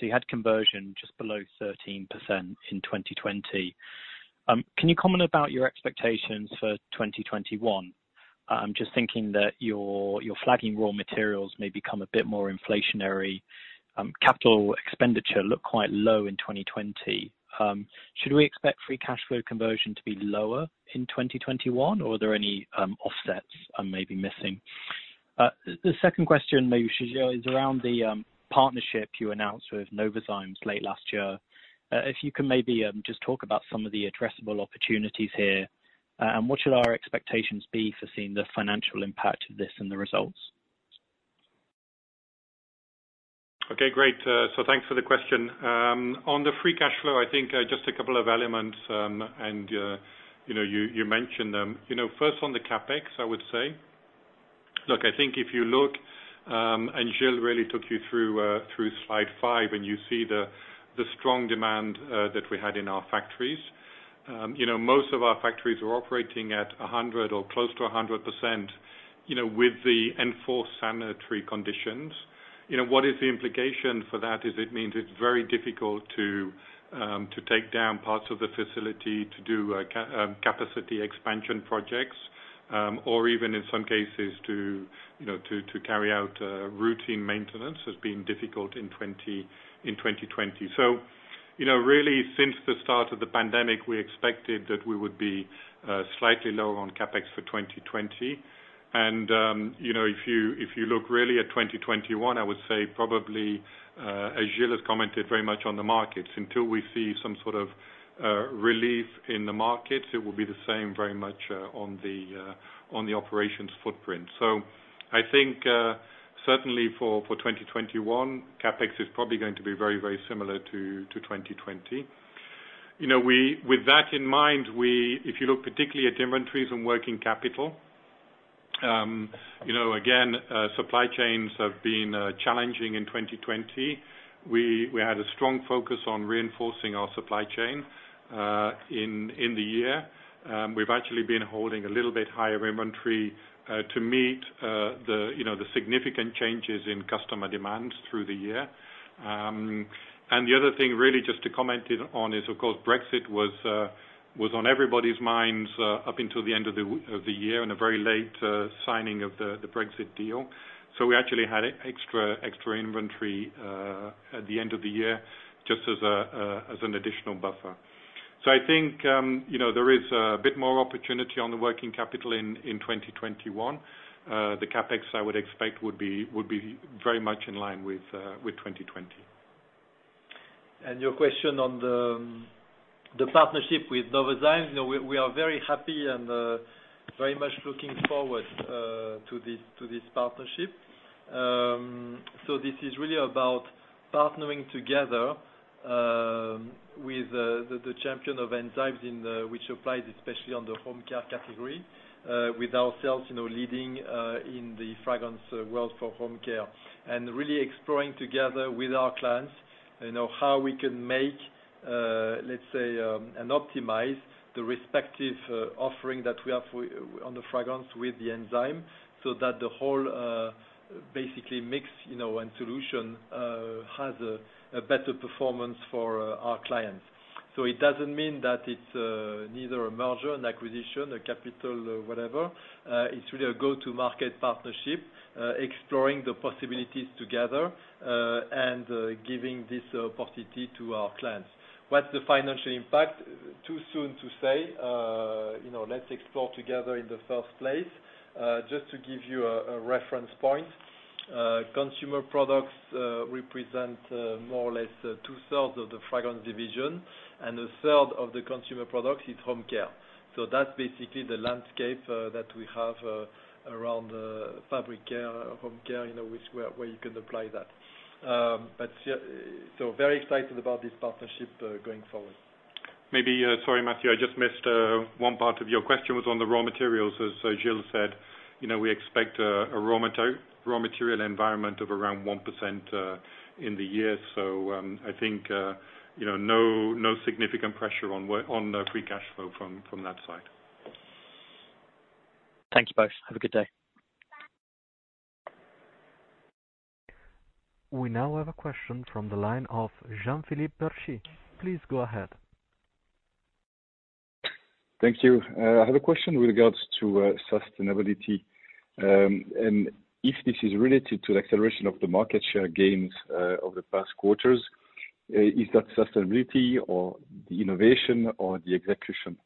You had conversion just below 13% in 2020. Can you comment about your expectations for 2021? I'm just thinking that your flagging raw materials may become a bit more inflationary. Capital expenditure looked quite low in 2020. Should we expect free cash flow conversion to be lower in 2021, or are there any offsets I may be missing? The second question, maybe for Gilles, is around the partnership you announced with Novozymes late last year. If you can maybe just talk about some of the addressable opportunities here, and what should our expectations be for seeing the financial impact of this and the results? Okay, great. Thanks for the question. On the free cash flow, I think just a couple of elements, and you mentioned them. First on the CapEx, I would say, look, I think if you look, and Gilles really took you through slide five, and you see the strong demand that we had in our factories. Most of our factories were operating at 100 or close to 100%, with the enforced sanitary conditions. What is the implication for that is it means it's very difficult to take down parts of the facility to do capacity expansion projects, or even in some cases to carry out routine maintenance has been difficult in 2020. Really, since the start of the pandemic, we expected that we would be slightly lower on CapEx for 2020. If you look really at 2021, I would say probably, as Gilles has commented very much on the markets, until we see some sort of relief in the markets, it will be the same very much on the operations footprint. I think certainly for 2021, CapEx is probably going to be very, very similar to 2020. With that in mind, if you look particularly at inventories and working capital, again, supply chains have been challenging in 2020. We had a strong focus on reinforcing our supply chain in the year. We've actually been holding a little bit higher inventory to meet the significant changes in customer demands through the year. The other thing, really just to comment on, is of course Brexit was on everybody's minds up until the end of the year and a very late signing of the Brexit deal. We actually had extra inventory at the end of the year just as an additional buffer. I think there is a bit more opportunity on the working capital in 2021. The CapEx, I would expect would be very much in line with 2020. Your question on the partnership with Novozymes, we are very happy and very much looking forward to this partnership. This is really about partnering together with the champion of enzymes, which applies especially on the home care category, with ourselves leading in the fragrance world for home care. Really exploring together with our clients, how we can make and optimize the respective offering that we have on the fragrance with the enzyme, so that the whole mix and solution has a better performance for our clients. It doesn't mean that it's neither a merger and acquisition, a capital whatever. It's really a go-to market partnership, exploring the possibilities together, and giving this opportunity to our clients. What's the financial impact? Too soon to say. Let's explore together in the first place. Just to give you a reference point, Consumer Products represent more or less two-thirds of the fragrance division, and 1/3 of the Consumer Products is home care. That's basically the landscape that we have around fabric care, home care, where you can apply that. Very excited about this partnership going forward. Maybe, sorry Matthew, I just missed one part of your question was on the raw materials. As Gilles said, we expect a raw material environment of around 1% in the year. I think no significant pressure on the free cash flow from that side. Thank you both. Have a good day. We now have a question from the line of Jean-Philippe Bertschy. Please go ahead. Thank you. I have a question with regards to sustainability, and if this is related to the acceleration of the market share gains over the past quarters. Is that sustainability or the innovation or the execution?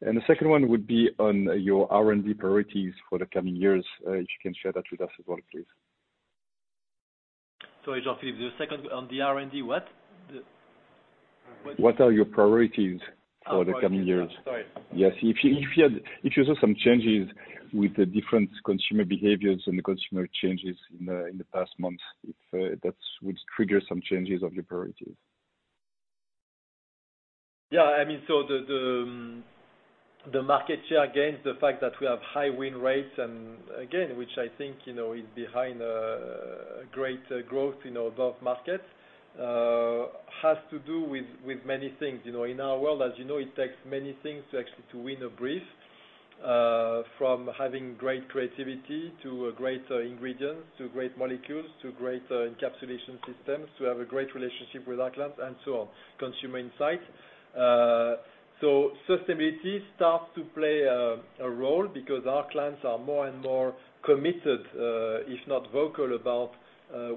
The second one would be on your R&D priorities for the coming years. If you can share that with us as well, please. Sorry, Jean-Philippe. The second on the R&D what? What are your priorities for the coming years? Priorities. Sorry. Yes. If you saw some changes with the different consumer behaviors and the consumer changes in the past months, if that would trigger some changes of your priorities? The market share gains, the fact that we have high win rates, and again, which I think is behind great growth in our growth markets, has to do with many things. In our world, as you know, it takes many things to actually to win a brief, from having great creativity to great ingredients, to great molecules, to great encapsulation systems, to have a great relationship with our clients and so on, consumer insights. Sustainability starts to play a role because our clients are more and more committed, if not vocal about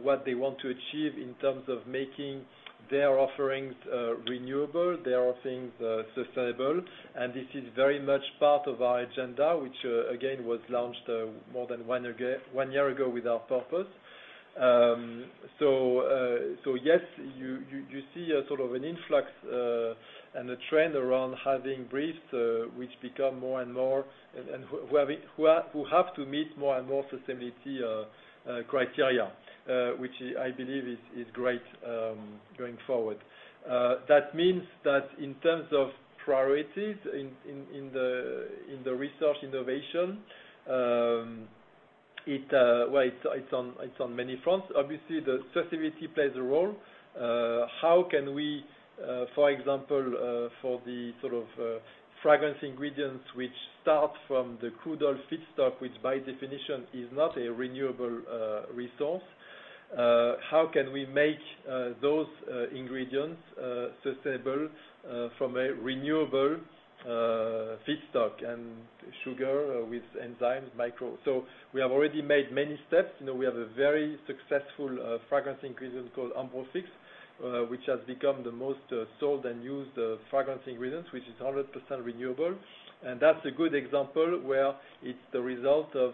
what they want to achieve in terms of making their offerings renewable, their offerings sustainable. This is very much part of our agenda, which again, was launched more than one year ago with our purpose. Yes, you see a sort of an influx and a trend around having briefs which become more and more, and who have to meet more and more sustainability criteria, which I believe is great going forward. That means that in terms of priorities in the research innovation, well, it's on many fronts. Obviously, the sustainability plays a role. How can we for example for the sort of fragrance ingredients which start from the crude oil feedstock, which by definition is not a renewable resource. How can we make those ingredients sustainable from a renewable feedstock and sugar with enzymes. We have already made many steps. We have a very successful fragrance ingredient called Ambrofix, which has become the most sold and used fragrance ingredient, which is 100% renewable. That's a good example where it's the result of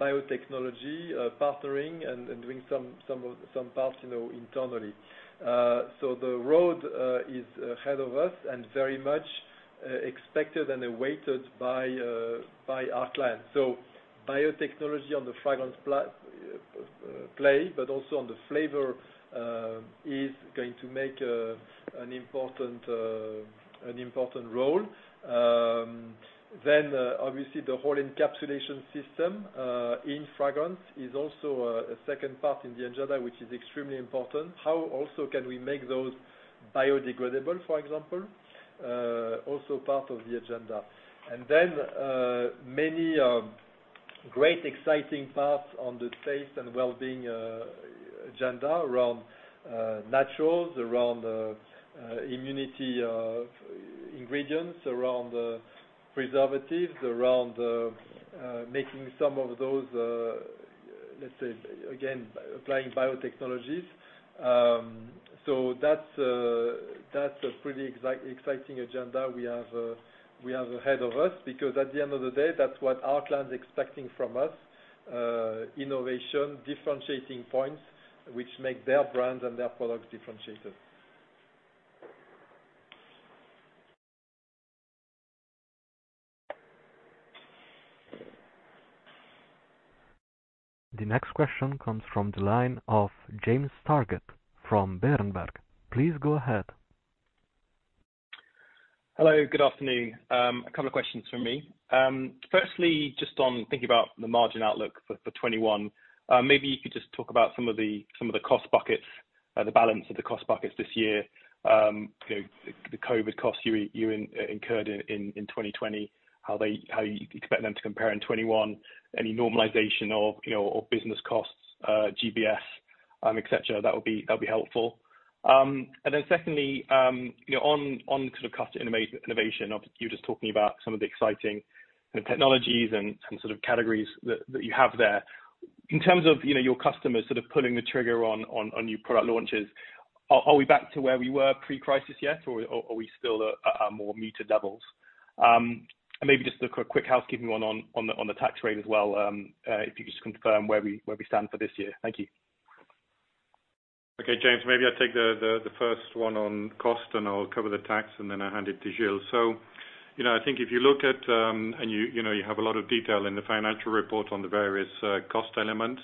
biotechnology partnering and doing some parts internally. The road is ahead of us and very much expected and awaited by our clients. Biotechnology on the fragrance play, but also on the flavor is going to make an important role. Obviously the whole encapsulation system in fragrance is also a second part in the agenda, which is extremely important. How also can we make those biodegradable, for example, also part of the agenda. Many great exciting parts on the Taste & Wellbeing agenda around naturals, around immunity ingredients, around preservatives, around making some of those, let's say again, applying biotechnologies. That's a pretty exciting agenda we have ahead of us, because at the end of the day, that's what our clients are expecting from us, innovation, differentiating points which make their brands and their products differentiated. The next question comes from the line of James Targett from Berenberg. Please go ahead. Hello. Good afternoon. A couple of questions from me. Firstly, just on thinking about the margin outlook for 2021, maybe you could just talk about some of the cost buckets, the balance of the cost buckets this year. The COVID-19 costs you incurred in 2020, how you expect them to compare in 2021, any normalization of business costs, GBS, et cetera, that'll be helpful. Secondly, on cost innovation, you were just talking about some of the exciting technologies and categories that you have there. In terms of your customers sort of pulling the trigger on new product launches, are we back to where we were pre-crisis yet, or are we still at more muted levels? Maybe just a quick housekeeping one on the tax rate as well, if you could just confirm where we stand for this year. Thank you. Okay, James, maybe I'll take the first one on cost, and I'll cover the tax, and then I'll hand it to Gilles. I think if you look at and you have a lot of detail in the financial report on the various cost elements.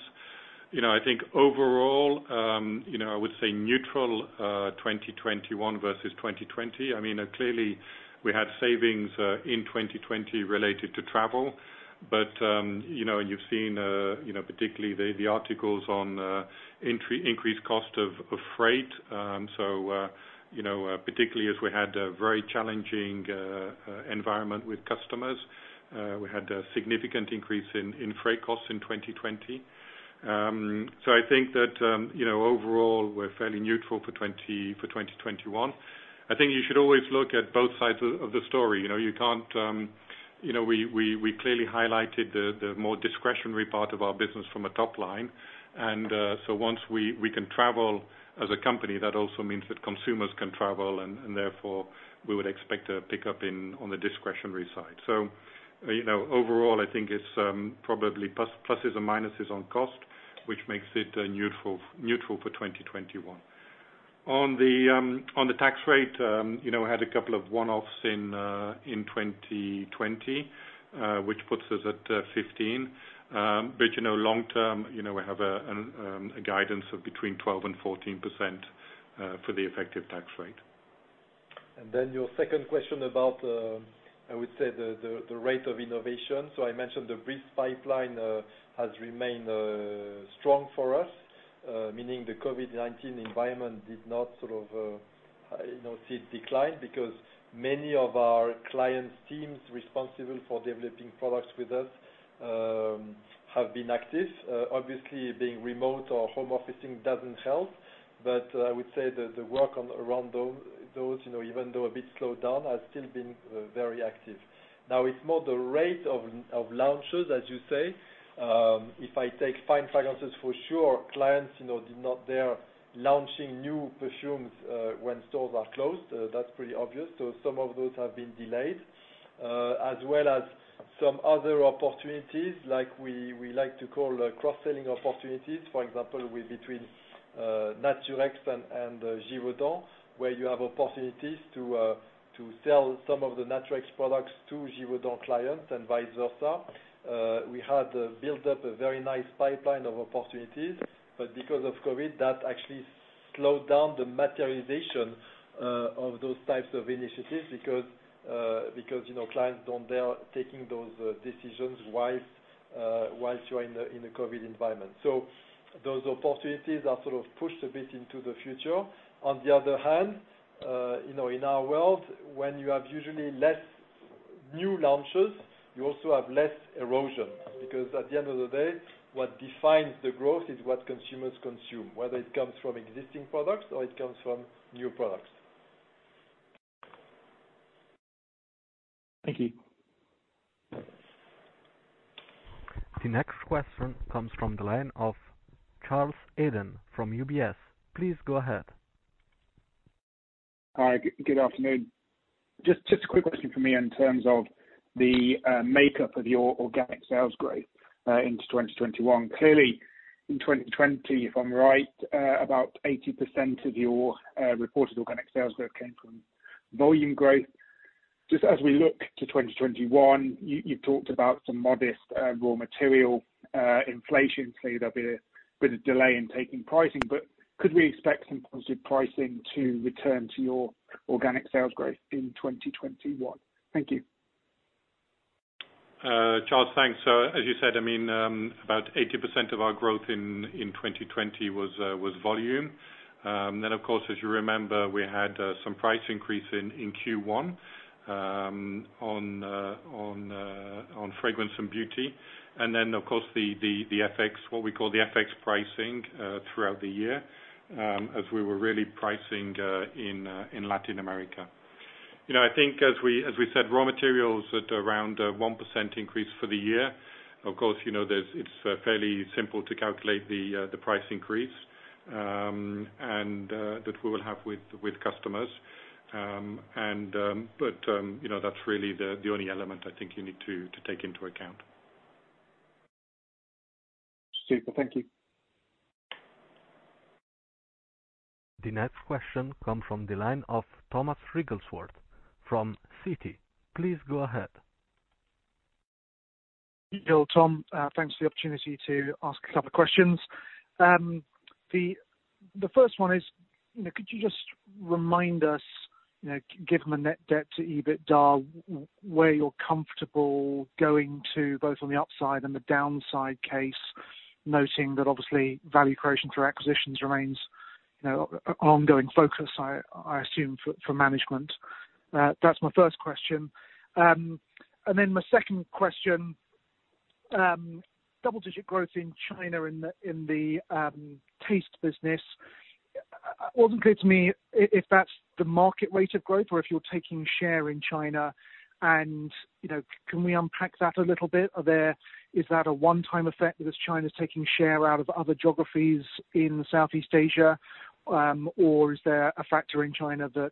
I think overall, I would say neutral 2021 versus 2020. Clearly, we had savings, in 2020 related to travel. You've seen, particularly the articles on increased cost of freight. Particularly as we had a very challenging environment with customers, we had a significant increase in freight costs in 2020. I think that overall, we're fairly neutral for 2021. I think you should always look at both sides of the story. We clearly highlighted the more discretionary part of our business from a top line. Once we can travel as a company, that also means that consumers can travel, and therefore we would expect a pickup on the discretionary side. Overall, I think it's probably pluses and minuses on cost, which makes it neutral for 2021. On the tax rate, we had a couple of one-offs in 2020, which puts us at 15%. Long-term, we have a guidance of between 12% and 14% for the effective tax rate. Your second question about, I would say the rate of innovation. I mentioned the brief pipeline has remained strong for us, meaning the COVID-19 environment did not sort of see it decline because many of our clients' teams responsible for developing products with us have been active. Obviously, being remote or home officing doesn't help. I would say the work around those, even though a bit slowed down, has still been very active. It's more the rate of launches, as you say. If I take Fine Fragrance for sure, clients did not dare launching new perfumes when stores are closed. That's pretty obvious. Some of those have been delayed. As well as some other opportunities like we like to call cross-selling opportunities, for example, between Naturex and Givaudan, where you have opportunities to sell some of the Naturex products to Givaudan clients and vice versa. Because of COVID-19, that actually slowed down the materialization of those types of initiatives because clients don't dare taking those decisions whilst you're in a COVID-19 environment. Those opportunities are sort of pushed a bit into the future. On the other hand, in our world, when you have usually less new launches, you also have less erosion because at the end of the day, what defines the growth is what consumers consume, whether it comes from existing products or it comes from new products. Thank you. The next question comes from the line of Charles Eden from UBS. Please go ahead. Hi. Good afternoon. Just a quick question from me in terms of the makeup of your organic sales growth into 2021. Clearly in 2020, if I'm right, about 80% of your reported organic sales growth came from volume growth. Just as we look to 2021, you've talked about some modest raw material inflation, clearly there'll be a bit of delay in taking pricing, but could we expect some positive pricing to return to your organic sales growth in 2021? Thank you. Charles, thanks. As you said, about 80% of our growth in 2020 was volume. Of course, as you remember, we had some price increase in Q1 on Fragrance & Beauty, and then, of course, what we call the FX pricing throughout the year, as we were really pricing in Latin America. I think as we said, raw materials at around a 1% increase for the year. Of course, it's fairly simple to calculate the price increase that we will have with customers. That's really the only element I think you need to take into account. Super. Thank you. The next question come from the line of Thomas Wrigglesworth from Citi. Please go ahead. Tom, thanks for the opportunity to ask a couple questions. The first one is, could you just remind us, give them a net debt to EBITDA, where you're comfortable going to, both on the upside and the downside case, noting that obviously value creation through acquisitions remains ongoing focus, I assume, for management. That's my first question. My second question, double-digit growth in China in the taste business. Wasn't clear to me if that's the market rate of growth or if you're taking share in China and can we unpack that a little bit? Is that a one-time effect because China's taking share out of other geographies in Southeast Asia? Is there a factor in China that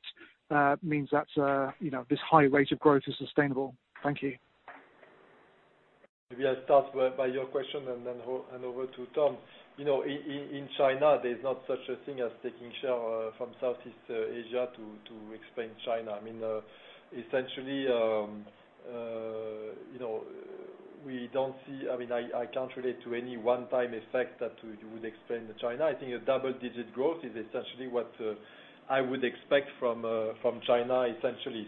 means this high rate of growth is sustainable? Thank you. I'll start by your question and then hand over to Tom. In China, there's not such a thing as taking share from Southeast Asia to explain China. I can't relate to any one time effect that would explain the China. I think a double-digit growth is essentially what I would expect from China, essentially.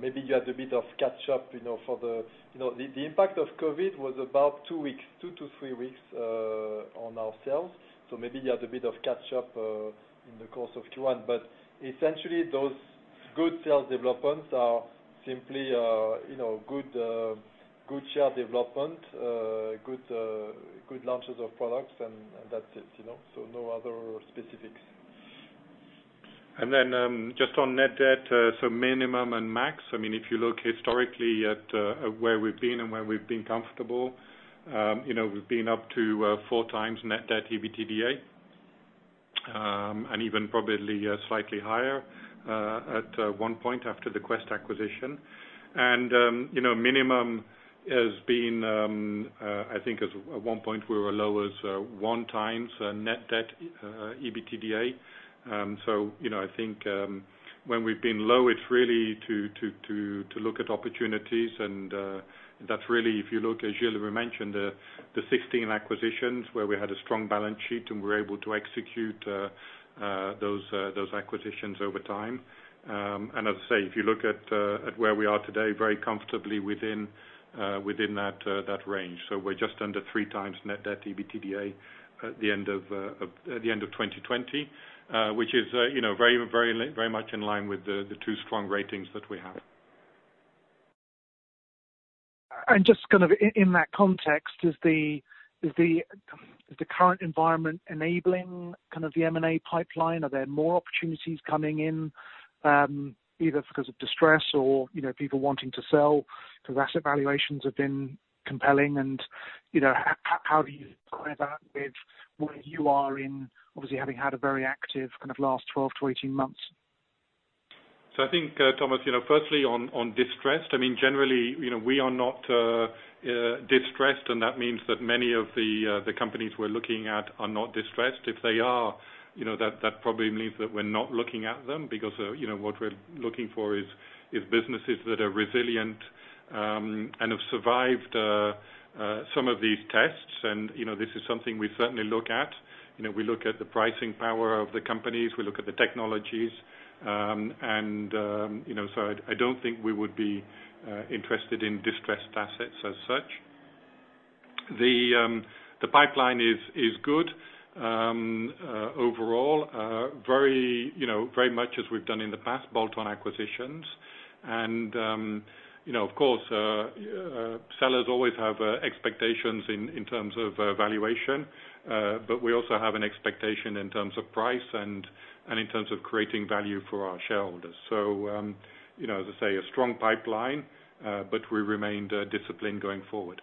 Maybe you had a bit of catch-up. The impact of COVID-19 was about two to three weeks on our sales. Maybe you had a bit of catch-up in the course of Q1. Essentially, those good sales developments are simply good share development, good launches of products, and that's it. No other specifics. Just on net debt, so minimum and max, if you look historically at where we've been and where we've been comfortable, we've been up to 4x net debt EBITDA, and even probably slightly higher at one point after the Quest acquisition. Minimum has been, I think at one point we were low as 1x net debt EBITDA. I think, when we've been low, it's really to look at opportunities and that's really, if you look, as Gilles mentioned, the 16 acquisitions where we had a strong balance sheet and we're able to execute those acquisitions over time. As I say, if you look at where we are today, very comfortably within that range. We're just under 3x net debt EBITDA at the end of 2020, which is very much in line with the two strong ratings that we have. Just in that context, is the current environment enabling the M&A pipeline? Are there more opportunities coming in, either because of distress or people wanting to sell because asset valuations have been compelling? How do you with where you are in, obviously, having had a very active last 12 to 18 months? I think, Thomas, firstly on distressed, generally, we are not distressed, and that means that many of the companies we're looking at are not distressed. If they are, that probably means that we're not looking at them because what we're looking for is businesses that are resilient and have survived some of these tests and this is something we certainly look at. We look at the pricing power of the companies. We look at the technologies. I don't think we would be interested in distressed assets as such. The pipeline is good overall. Very much as we've done in the past, bolt-on acquisitions. Of course, sellers always have expectations in terms of valuation. We also have an expectation in terms of price and in terms of creating value for our shareholders. As I say, a strong pipeline, but we remained disciplined going forward.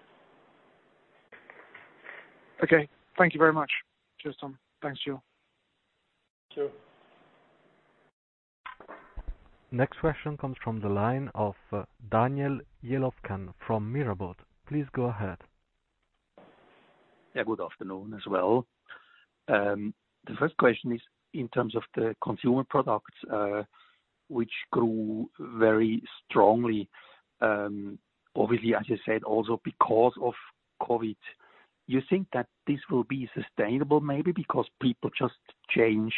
Okay. Thank you very much. Cheers, Tom. Thanks, Gilles. Sure. Next question comes from the line of Daniel Jelovcan from Mirabaud. Please go ahead. Yeah, good afternoon as well. The first question is in terms of the Consumer Products, which grew very strongly, obviously, as you said, also because of COVID. You think that this will be sustainable maybe because people just change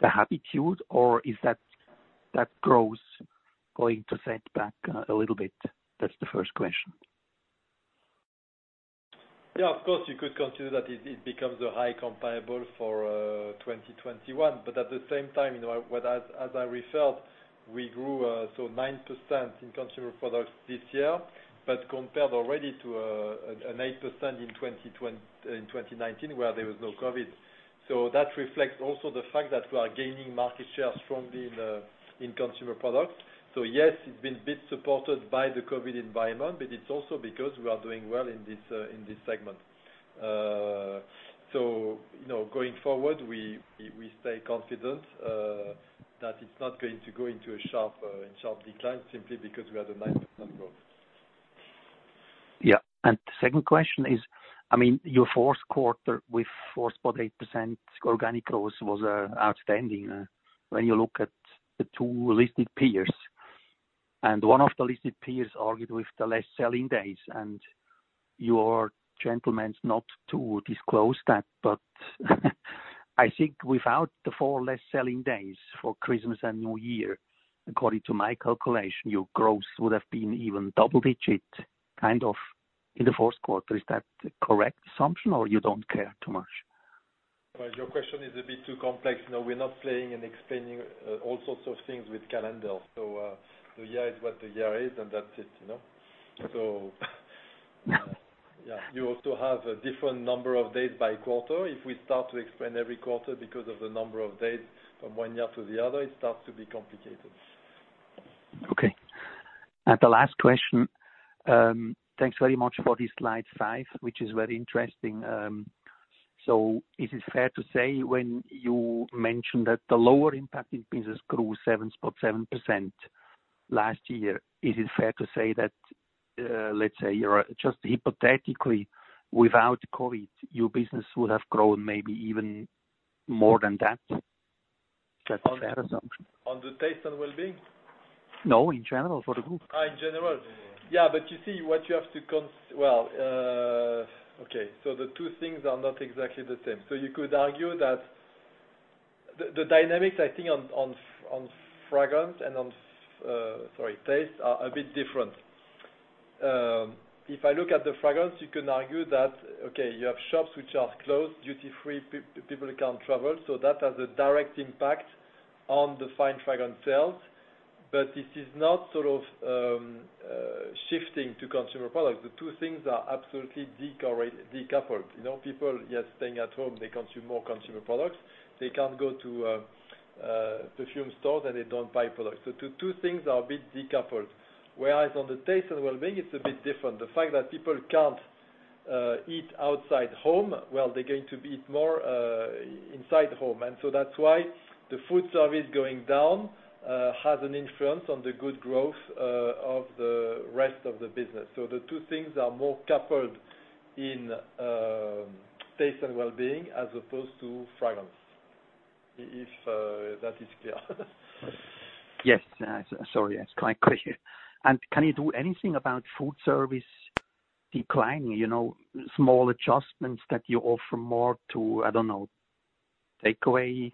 the attitude, or is that growth going to set back a little bit? That's the first question. Of course, you could consider that it becomes a high comparable for 2021. At the same time, as I referred, we grew 9% in Consumer Products this year, but compared already to an 8% in 2019 where there was no COVID-19. That reflects also the fact that we are gaining market share strongly in Consumer Products. Yes, it's been a bit supported by the COVID-19 environment, but it's also because we are doing well in this segment. Going forward, we stay confident that it's not going to go into a sharp decline simply because we have a 9% growth. Yeah. The second question is, your fourth quarter with 4.8% organic growth was outstanding. When you look at the two listed peers, one of the listed peers argued with the less selling days, you are gentlemen not to disclose that, I think without the four less selling days for Christmas and New Year, according to my calculation, your growth would have been even double digit kind of in the fourth quarter. Is that the correct assumption or you don't care too much? Well, your question is a bit too complex. We're not playing and explaining all sorts of things with calendar. The year is what the year is, and that's it. Yeah. You also have a different number of days by quarter. We start to explain every quarter because of the number of days from one year to the other, it starts to be complicated. Okay. The last question. Thanks very much for the slide five, which is very interesting. Is it fair to say when you mentioned that the lower impact in business grew 7.7% last year, is it fair to say that, let's say, just hypothetically, without COVID, your business would have grown maybe even more than that? Is that a fair assumption? On the Taste & Wellbeing? No, in general, for the group. In general. Yeah, but you see what you have to. Well, okay. The two things are not exactly the same. You could argue that the dynamics, I think, on fragrance and on, sorry, Taste & Wellbeing are a bit different. If I look at the fragrance, you can argue that, okay, you have shops which are closed, duty-free, people can't travel. That has a direct impact on the Fine Fragrance sales. This is not sort of shifting to Consumer Products. The two things are absolutely decoupled. People, yes, staying at home, they consume more Consumer Products. They can't go to perfume stores, and they don't buy products. Two things are a bit decoupled. Whereas on the Taste & Wellbeing, it's a bit different. The fact that people can't eat outside home, well, they're going to eat more inside home. That's why the food service going down has an influence on the good growth of the rest of the business. The two things are more coupled in Taste & Wellbeing as opposed to fragrance. If that is clear. Yes. Sorry. It's quite clear. Can you do anything about food service declining? Small adjustments that you offer more to, I don't know, takeaway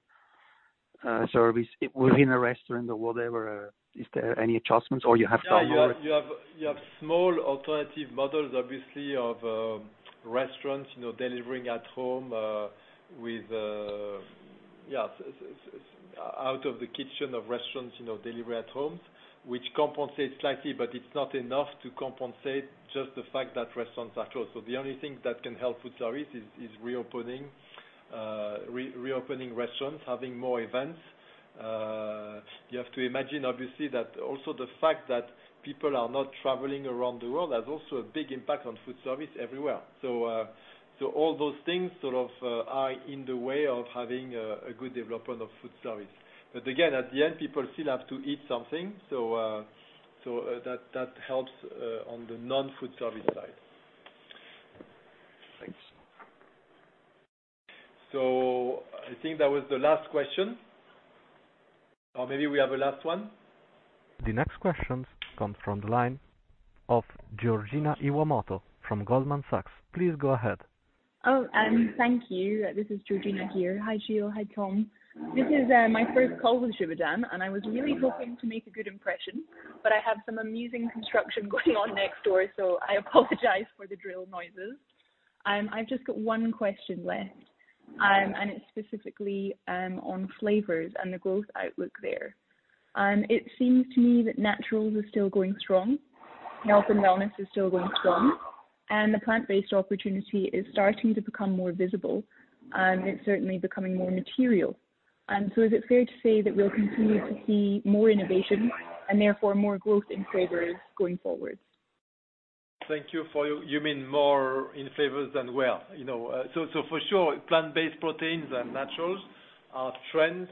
service within a restaurant or whatever. Is there any adjustments or you have done already? You have small alternative models, obviously, of restaurants delivering at home with out of the kitchen of restaurants, delivery at homes, which compensates slightly, but it's not enough to compensate just the fact that restaurants are closed. The only thing that can help food service is reopening restaurants, having more events. You have to imagine, obviously, that also the fact that people are not traveling around the world has also a big impact on food service everywhere. All those things sort of are in the way of having a good development of food service. Again, at the end, people still have to eat something, so that helps on the non-food service side. Thanks. I think that was the last question. Maybe we have a last one. The next question comes from the line of Georgina Iwamoto from Goldman Sachs. Please go ahead. Oh, thank you. This is Georgina here. Hi, Gilles. Hi, Tom. This is my first call with Givaudan, and I was really hoping to make a good impression, but I have some amusing construction going on next door, so I apologize for the drill noises. I've just got one question left, and it's specifically on flavors and the growth outlook there. It seems to me that naturals are still going strong, health and wellness is still going strong, and the plant-based opportunity is starting to become more visible, and it's certainly becoming more material. Is it fair to say that we'll continue to see more innovation and therefore more growth in flavors going forward? Thank you. You mean more in flavors than where? For sure, plant-based proteins and naturals are trends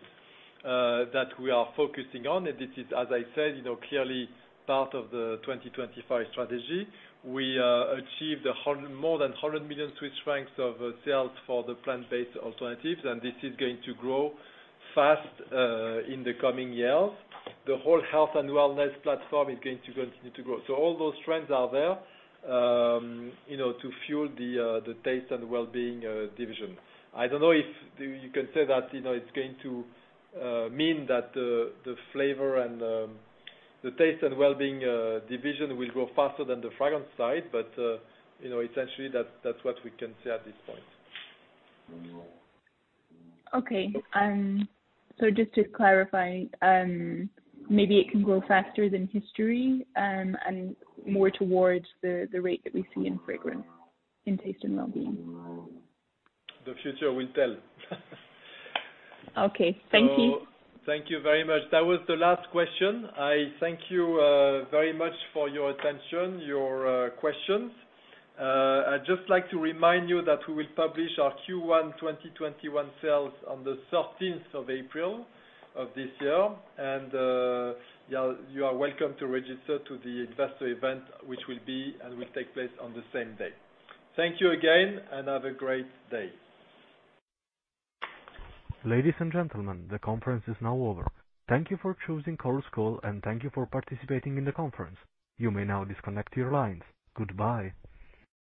that we are focusing on. This is, as I said, clearly part of the 2025 strategy. We achieved more than 100 million Swiss francs of sales for the plant-based alternatives, and this is going to grow fast in the coming years. The whole health and wellness platform is going to continue to grow. All those trends are there to fuel the Taste & Wellbeing division. I don't know if you can say that it's going to mean that the Taste & Wellbeing division will grow faster than the fragrance side, but essentially, that's what we can say at this point. Okay. Just to clarify, maybe it can grow faster than history, and more towards the rate that we see in fragrance, in Taste & Wellbeing. The future will tell. Okay. Thank you. Thank you very much. That was the last question. I thank you very much for your attention, your questions. I'd just like to remind you that we will publish our Q1 2021 sales on the 13th of April of this year. You are welcome to register to the investor event, which will be and will take place on the same day. Thank you again, and have a great day. Ladies and gentlemen, the conference is now over. Thank you for choosing Chorus Call, and thank you for participating in the conference. You may now disconnect your lines. Goodbye.